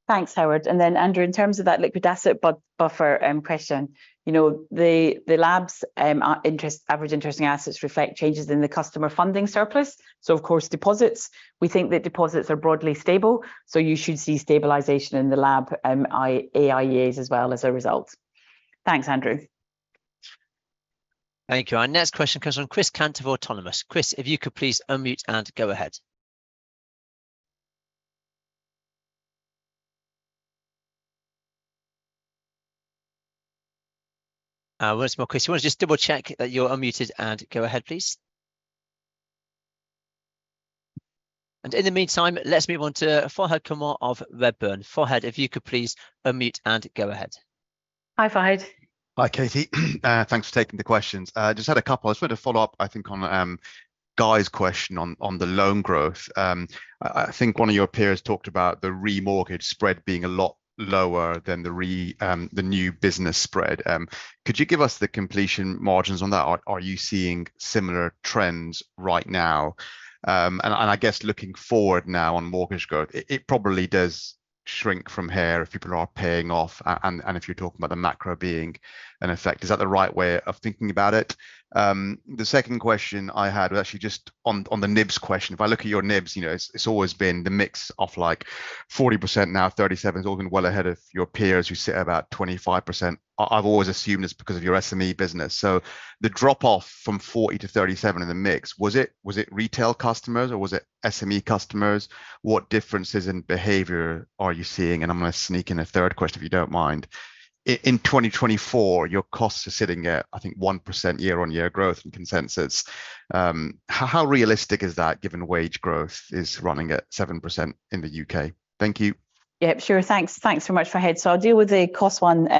Thanks, Howard. Andrew, in terms of that liquid asset buffer question, you know, the labs, average interesting assets, reflect changes in the customer funding surplus, of course, deposits. We think that deposits are broadly stable, so you should see stabilization in the lab, AIEAs as well as a result. Thanks, Andrew. Thank you. Our next question comes from Chris Cant of Autonomous. Chris, if you could please unmute and go ahead. Once more, Chris, you want to just double-check that you're unmuted, and go ahead, please. In the meantime, let's move on to Fahed Kunwar of Redburn. Fahed, if you could please unmute and go ahead. Hi, Fahed. Hi, Katie. Thanks for taking the questions. I just had a couple. I just want to follow up, I think, on Guy's question on the loan growth. I think one of your peers talked about the remortgage spread being a lot lower than the new business spread. Could you give us the completion margins on that, or are you seeing similar trends right now? And, and I guess looking forward now on mortgage growth, it probably does shrink from here if people are paying off and, and if you're talking about the macro being an effect. Is that the right way of thinking about it? The second question I had was actually just on the NIBs question. If I look at your NIBs, you know, it's, it's always been the mix of, like, 40%, now 37%. It's all been well ahead of your peers who sit at about 25%. I've always assumed it's because of your SME business. The drop-off from 40% to 37% in the mix, was it, was it retail customers or was it SME customers? What differences in behavior are you seeing? I'm gonna sneak in a third question, if you don't mind. In 2024, your costs are sitting at, I think, 1% year-on-year growth and consensus. How, how realistic is that, given wage growth is running at 7% in the U.K.? Thank you. Yep, sure. Thanks. Thanks so much, Fahed. I'll deal with the cost one.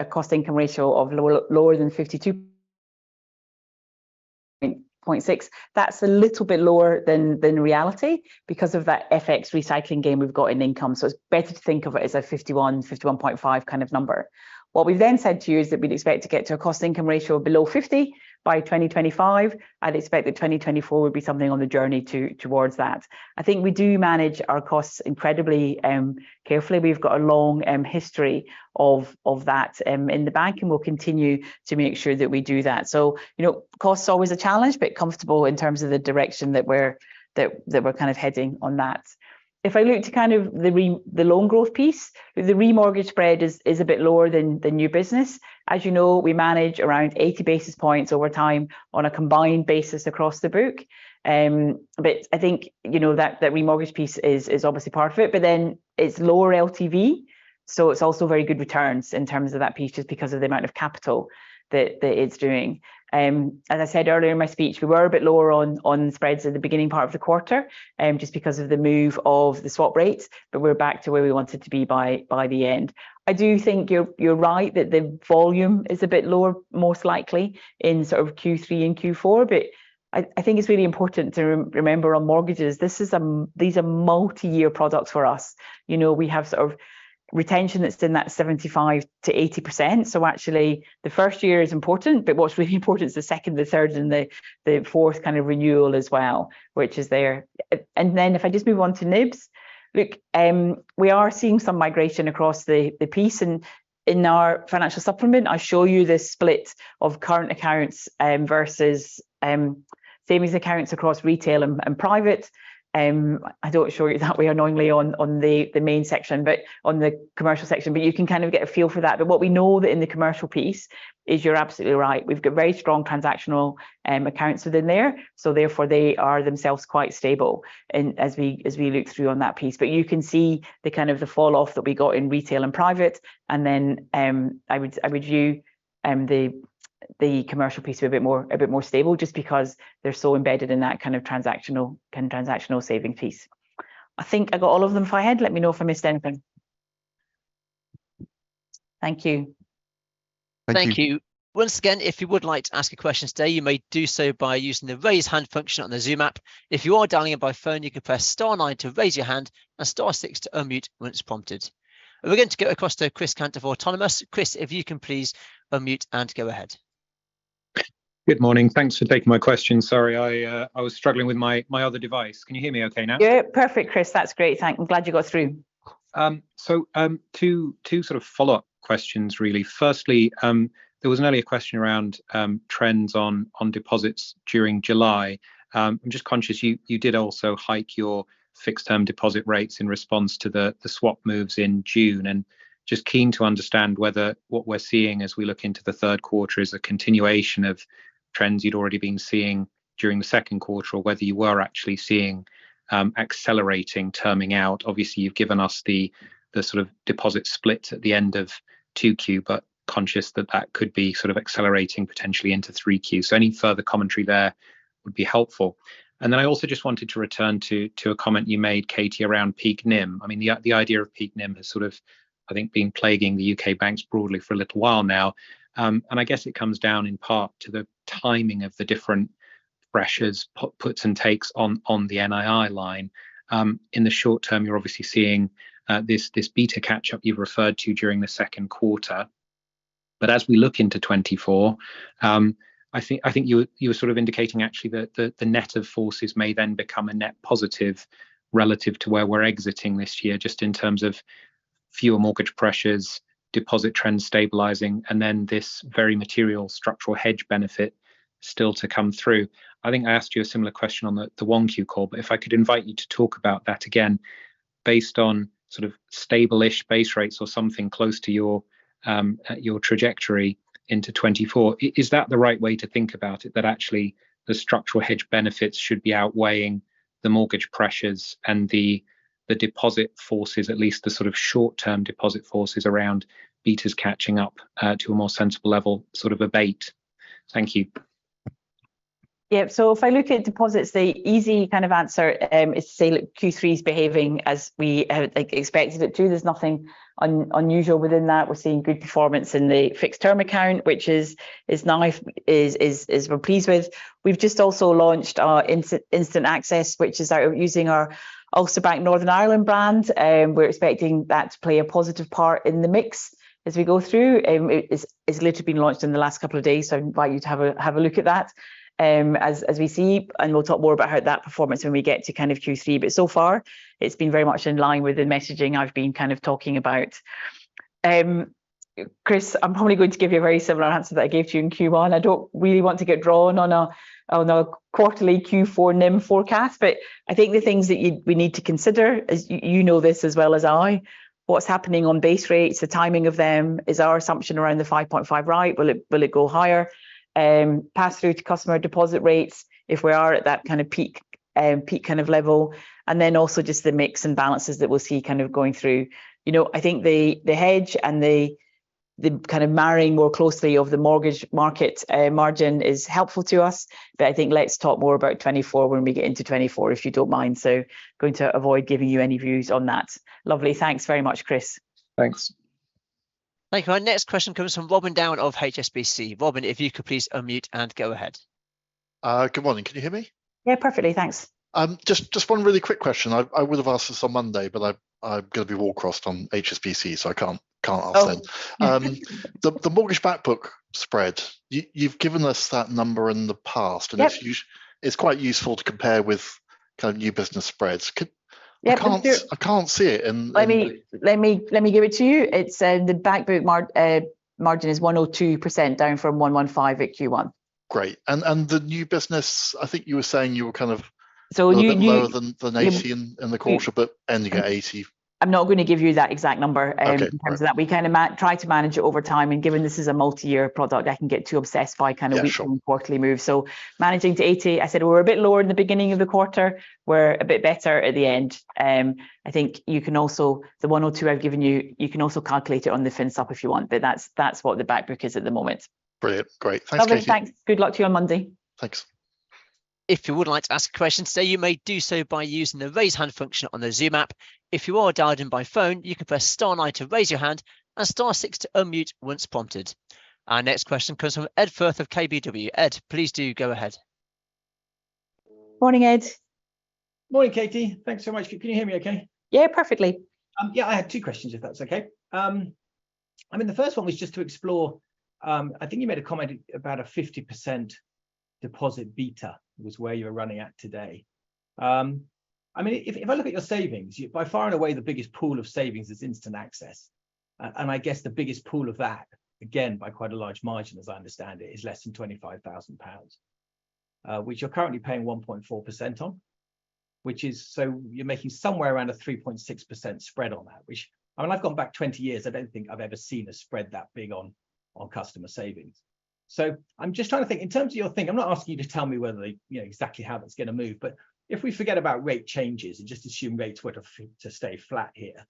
A cost-income ratio of lower, lower than 52.6%. That's a little bit lower than, than reality because of that FX recycling game we've got in income, so it's better to think of it as a 51%, 51.5% kind of number. What we've then said to you is that we'd expect to get to a cost-income ratio below 50% by 2025. I'd expect that 2024 would be something on the journey to- towards that. I think we do manage our costs incredibly carefully. We've got a long history of, of that, in the bank, and we'll continue to make sure that we do that. You know, cost is always a challenge, but comfortable in terms of the direction that we're, that, that we're kind of heading on that. If I look to kind of the loan growth piece, the remortgage spread is, is a bit lower than the new business. As you know, we manage around 80 basis points over time on a combined basis across the book. I think, you know, that, that remortgage piece is, is obviously part of it, but then it's lower LTV, so it's also very good returns in terms of that piece, just because of the amount of capital that, that it's doing. As I said earlier in my speech, we were a bit lower on, on spreads at the beginning part of the quarter, just because of the move of the swap rates, but we're back to where we wanted to be by, by the end. I do think you're, you're right that the volume is a bit lower, most likely, in sort of Q3 and Q4, but I think it's really important to remember on mortgages, these are multi-year products for us. You know, we have sort of retention that's in that 75%-80%, so actually, the first year is important, but what's really important is the second, the third, and the fourth kind of renewal as well, which is there. Then if I just move on to NIBs, look, we are seeing some migration across the piece, and in our financial supplement, I show you this split of current accounts, versus, savings accounts across retail and private. I don't show you that way annoyingly on the main section, but on the commercial section, but you can kind of get a feel for that. What we know that in the commercial piece is you're absolutely right. We've got very strong transactional, accounts within there, so therefore, they are themselves quite stable and as we look through on that piece. You can see the kind of the fall-off that we got in retail and private, and then, I would, I would view, the, the commercial piece a bit more, a bit more stable, just because they're so embedded in that kind of transactional, kind of transactional saving piece. I think I got all of them, Fahed. Let me know if I missed anything. Thank you. Thank you. Thank you. Once again, if you would like to ask a question today, you may do so by using the Raise Hand function on the Zoom app. If you are dialing in by phone, you can press star nine to raise your hand and star six to unmute once prompted. We're going to get across to Chris Cant of Autonomous. Chris, if you can please unmute and go ahead. Good morning. Thanks for taking my question. Sorry, I was struggling with my, my other device. Can you hear me okay now? Yeah, perfect, Chris. That's great. Thank you. I'm glad you got through. Two sort of follow-up questions, really. Firstly, there was an earlier question around, trends on, on deposits during July. I'm just conscious you, you did also hike your fixed-term deposit rates in response to the, the swap moves in June, and just keen to understand whether what we're seeing as we look into the third quarter is a continuation of trends you'd already been seeing during the second quarter, or whether you were actually seeing, accelerating, terming out. Obviously, you've given us the, the sort of deposit split at the end of 2Q, but conscious that that could be sort of accelerating potentially into 3Q. Any further commentary there would be helpful. I also just wanted to return to, to a comment you made, Katie, around peak NIM. I mean, the idea of peak NIM has sort of, I think, been plaguing the U.K. banks broadly for a little while now. I guess it comes down in part to the timing of the different pressures, puts and takes on, on the NII line. In the short term, you're obviously seeing, this, this beta catch-up you've referred to during the second quarter. As we look into 2024, I think, I think you, you were sort of indicating actually that the, the net of forces may then become a net positive relative to where we're exiting this year, just in terms of fewer mortgage pressures, deposit trends stabilizing, and then this very material structural hedge benefit still to come through. I think I asked you a similar question on the, the 1Q call, but if I could invite you to talk about that again, based on sort of stable-ish base rates or something close to your trajectory into 2024. Is that the right way to think about it, that actually the structural hedge benefits should be outweighing the mortgage pressures and the, the deposit forces, at least the sort of short-term deposit forces around betas catching up to a more sensible level, sort of abate? Thank you. Yep. If I look at deposits, the easy kind of answer is to say, look, Q3's behaving as we had, like, expected it to. There's nothing unusual within that. We're seeing good performance in the fixed-term account, which is nice, is we're pleased with. We've just also launched our instant access, which is our... Using our Ulster Bank Northern Ireland brand, we're expecting that to play a positive part in the mix as we go through. It, it's literally been launched in the last two days, so I invite you to have a, have a look at that. As, as we see, and we'll talk more about how that performance when we get to kind of Q3, but so far, it's been very much in line with the messaging I've been kind of talking about. Chris, I'm probably going to give you a very similar answer that I gave to you in Q1. I don't really want to get drawn on a, on a quarterly Q4 NIM forecast, but I think the things that we need to consider is, you know this as well as I, what's happening on base rates, the timing of them. Is our assumption around the 5.5% right? Will it, will it go higher? Pass through to customer deposit rates, if we are at that kind of peak, peak kind of level, and then also just the mix and balances that we'll see kind of going through. You know, I think the, the hedge and the, the kind of marrying more closely of the mortgage market margin is helpful to us, but I think let's talk more about 2024 when we get into 2024, if you don't mind. Going to avoid giving you any views on that. Lovely. Thanks very much, Chris. Thanks. Thank you. Our next question comes from Robin Down of HSBC. Robin, if you could please unmute and go ahead. Good morning. Can you hear me? Yeah, perfectly, thanks. Just one really quick question. I would've asked this on Monday, but I'm gonna be walk crossed on HSBC, so I can't ask them. Oh. The, the mortgage back book spread, you've given us that number in the past- Yep... and it's quite useful to compare with kind of new business spreads. Yep, I can. I can't, I can't see it in, in-. Let me, let me, let me give it to you. It's the back book margin is 102%, down from 115% at Q1. Great, the new business, I think you were saying you were. So you, you- A bit lower than 80 in the quarter, but ending at 80. I'm not gonna give you that exact number. Okay, all right.... in terms of that. We kind of try to manage it over time, and given this is a multi-year product, I can get too obsessed by. Yeah, sure... weekly and quarterly moves. Managing to 80, I said we're a bit lower in the beginning of the quarter. We're a bit better at the end. I think you can also... The one or two I've given you, you can also calculate it on the fin sop if you want, but that's, that's what the back book is at the moment. Brilliant. Great. Thanks, Katie. Lovely, thanks. Good luck to you on Monday. Thanks. If you would like to ask a question today, you may do so by using the Raise Hand function on the Zoom app. If you are dialed in by phone, you can press star nine to raise your hand and star six to unmute once prompted. Our next question comes from Ed Firth of KBW. Ed, please do go ahead. Morning, Ed. Morning, Katie. Thanks so much. Can you hear me okay? Yeah, perfectly. Yeah, I had two questions, if that's okay. I mean, the first one was just to explore, I think you made a comment about a 50% deposit beta was where you're running at today. I mean, if, if I look at your savings, you... By far and away, the biggest pool of savings is instant access, and I guess the biggest pool of that, again, by quite a large margin, as I understand it, is less than 25,000 pounds, which you're currently paying 1.4% on, which is, so you're making somewhere around a 3.6% spread on that. Which, I mean, I've gone back 20 years, I don't think I've ever seen a spread that big on, on customer savings. I'm just trying to think, in terms of your thing, I'm not asking you to tell me whether the, you know, exactly how that's going to move, but if we forget about rate changes and just assume rates were to, to stay flat here,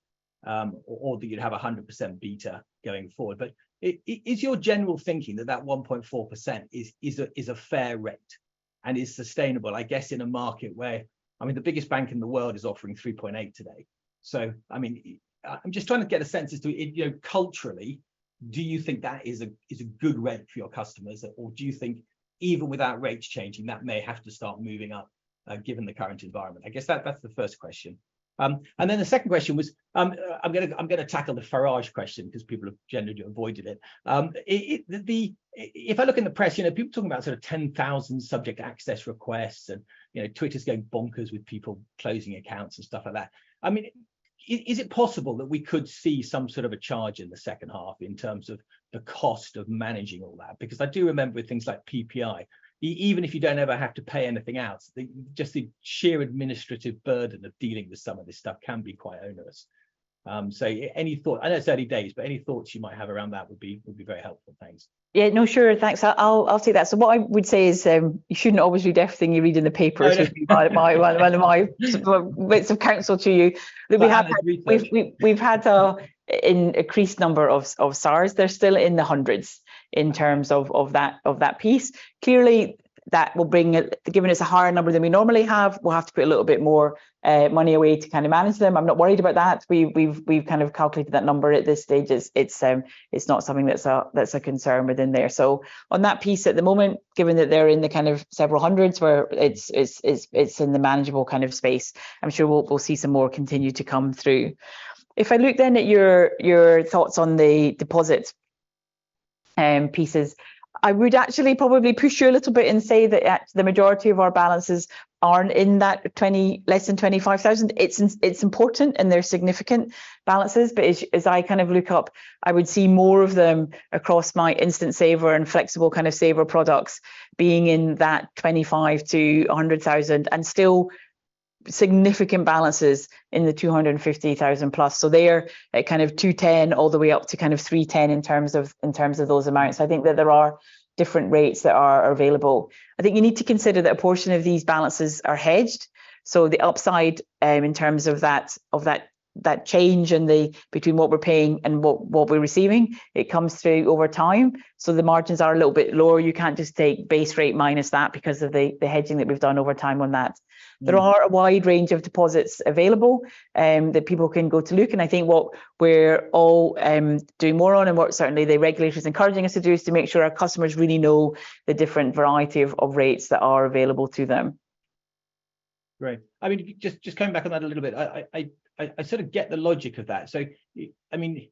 or that you'd have 100% beta going forward, is your general thinking that that 1.4% is, is a, is a fair rate and is sustainable, I guess, in a market where, I mean, the biggest bank in the world is offering 3.8% today. I mean, I'm just trying to get a sense as to, you know, culturally, do you think that is a, is a good rate for your customers, or do you think even without rates changing, that may have to start moving up, given the current environment? I guess that, that's the first question. Then the second question was, I'm gonna, I'm gonna tackle the Farage question 'cause people have generally avoided it. If I look in the press, you know, people are talking about sort of 10,000 subject access requests, and, you know, Twitter's going bonkers with people closing accounts and stuff like that. I mean, is it possible that we could see some sort of a charge in the second half in terms of the cost of managing all that? I do remember with things like PPI, even if you don't ever have to pay anything out, just the sheer administrative burden of dealing with some of this stuff can be quite onerous. Any thought, I know it's early days, but any thoughts you might have around that would be, would be very helpful. Thanks. Yeah, no, sure. Thanks. I'll say that. What I would say is, you shouldn't always read everything you read in the paper- I know.... should be my, my, one of my bits of counsel to you. That and research. We have had, we've, we've, we've had a increased number of SARS. They're still in the hundreds in terms of that, of that piece. Clearly, that will bring it... Given it's a higher number than we normally have, we'll have to put a little bit more money away to kind of manage them. I'm not worried about that. We've, we've, we've kind of calculated that number at this stage. It's, it's, it's not something that's a, that's a concern within there. On that piece, at the moment, given that they're in the kind of several hundreds, where it's, it's, it's, it's in the manageable kind of space, I'm sure we'll, we'll see some more continue to come through. If I look then at your, your thoughts on the deposit pieces, I would actually probably push you a little bit and say that the majority of our balances aren't in that 20, less than 25,000. It's, it's important, and they're significant balances, but as, as I kind of look up, I would see more of them across my instant saver and flexible kind of saver products being in that 25,000-100,000, and still significant balances in the 250,000+. They're at kind of 210 all the way up to kind of 310 in terms of, in terms of those amounts. I think that there are different rates that are available. I think you need to consider that a portion of these balances are hedged, so the upside, in terms of that, of that, that change in the, between what we're paying and what, what we're receiving, it comes through over time, so the margins are a little bit lower. You can't just take base rate minus that because of the, the hedging that we've done over time on that. There are a wide range of deposits available, that people can go to look, and I think what we're all, doing more on, and what certainly the regulator is encouraging us to do, is to make sure our customers really know the different variety of, of rates that are available to them. Great. I mean, just, just coming back on that a little bit, I sort of get the logic of that. I mean,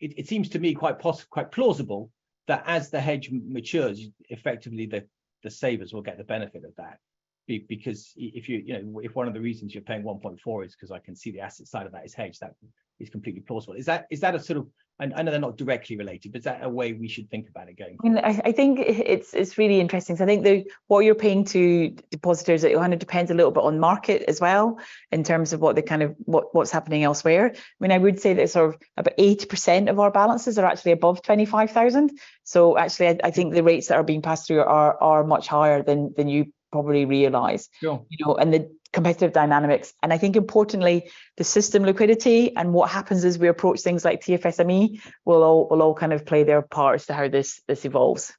it, it seems to me quite plausible that as the hedge matures, effectively, the, the savers will get the benefit of that. Because if you, you know, if one of the reasons you're paying 1.4% is 'cause I can see the asset side of that is hedged, that is completely plausible. Is that, is that a sort of, I know they're not directly related, but is that a way we should think about it going forward? I mean, I think it, it's, it's really interesting. I think the, what you're paying to depositors, it kind of depends a little bit on market as well, in terms of what the kind of, what, what's happening elsewhere. I mean, I would say that sort of about 80% of our balances are actually above 25,000, so actually, I think the rates that are being passed through are, are much higher than, than you probably realize. Sure. You know, the competitive dynamics, and I think importantly, the system liquidity and what happens as we approach things like TFSME, will all, will all kind of play their part as to how this, this evolves.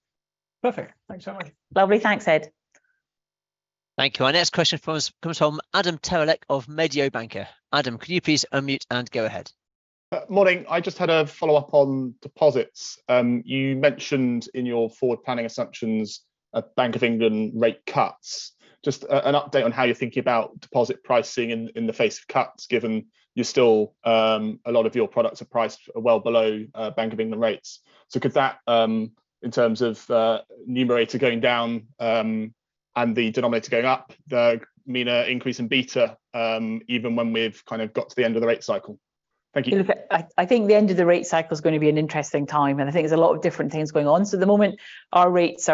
Perfect. Thanks so much. Lovely. Thanks, Ed. Thank you. Our next question from us comes from Adam Terelak of Mediobanca. Adam, could you please unmute and go ahead? Morning. I just had a follow-up on deposits. You mentioned in your forward planning assumptions a Bank of England rate cuts. Just a, an update on how you're thinking about deposit pricing in, in the face of cuts, given you're still, a lot of your products are priced well below, Bank of England rates. Could that, in terms of, numerator going down, and the denominator going up, the meaner increase in beta, even when we've kind of got to the end of the rate cycle? Thank you. Look, I think the end of the rate cycle is going to be an interesting time. I think there's a lot of different things going on. At the moment, our rates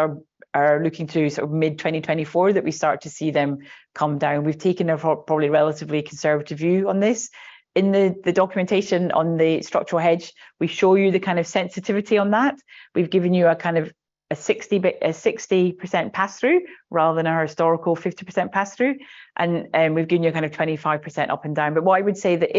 are, are looking through sort of mid-2024, that we start to see them come down. We've taken a probably relatively conservative view on this. In the, the documentation on the structural hedge, we show you the kind of sensitivity on that. We've given you a kind of a 60% pass-through, rather than our historical 50% pass-through, and, and we've given you a kind of 25% up and down. What I would say that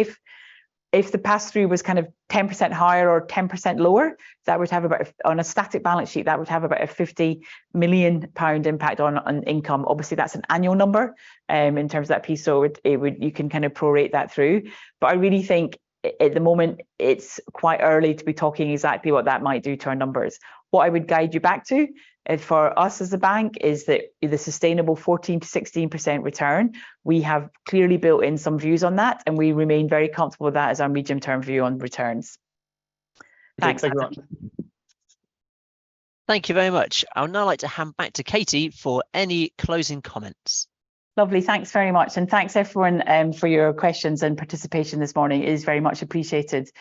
if, if the pass-through was kind of 10% higher or 10% lower, that would have about, on a static balance sheet, that would have about a 50 million pound impact on, on income. Obviously, that's an annual number, in terms of that piece, so it, it would, you can kind of pro rate that through. I really think at the moment, it's quite early to be talking exactly what that might do to our numbers. What I would guide you back to, and for us as a bank, is that the sustainable 14%-16% return, we have clearly built in some views on that, and we remain very comfortable with that as our medium-term view on returns. Thanks, Adam. Thanks a lot. Thank you very much. I would now like to hand back to Katie for any closing comments. Lovely. Thanks very much, and thanks, everyone, for your questions and participation this morning. It is very much appreciated.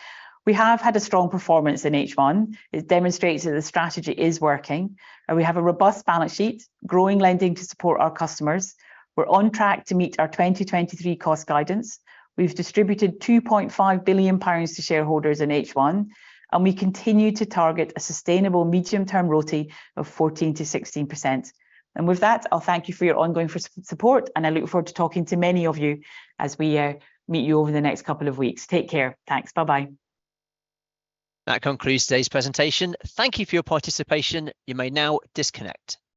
We have had a strong performance in H1. It demonstrates that the strategy is working, and we have a robust balance sheet, growing lending to support our customers. We're on track to meet our 2023 cost guidance. We've distributed 2.5 billion pounds to shareholders in H1, and we continue to target a sustainable medium-term RoTE of 14%-16%. With that, I'll thank you for your ongoing support, and I look forward to talking to many of you as we meet you over the next couple of weeks. Take care. Thanks. Bye-bye. That concludes today's presentation. Thank you for your participation. You may now disconnect.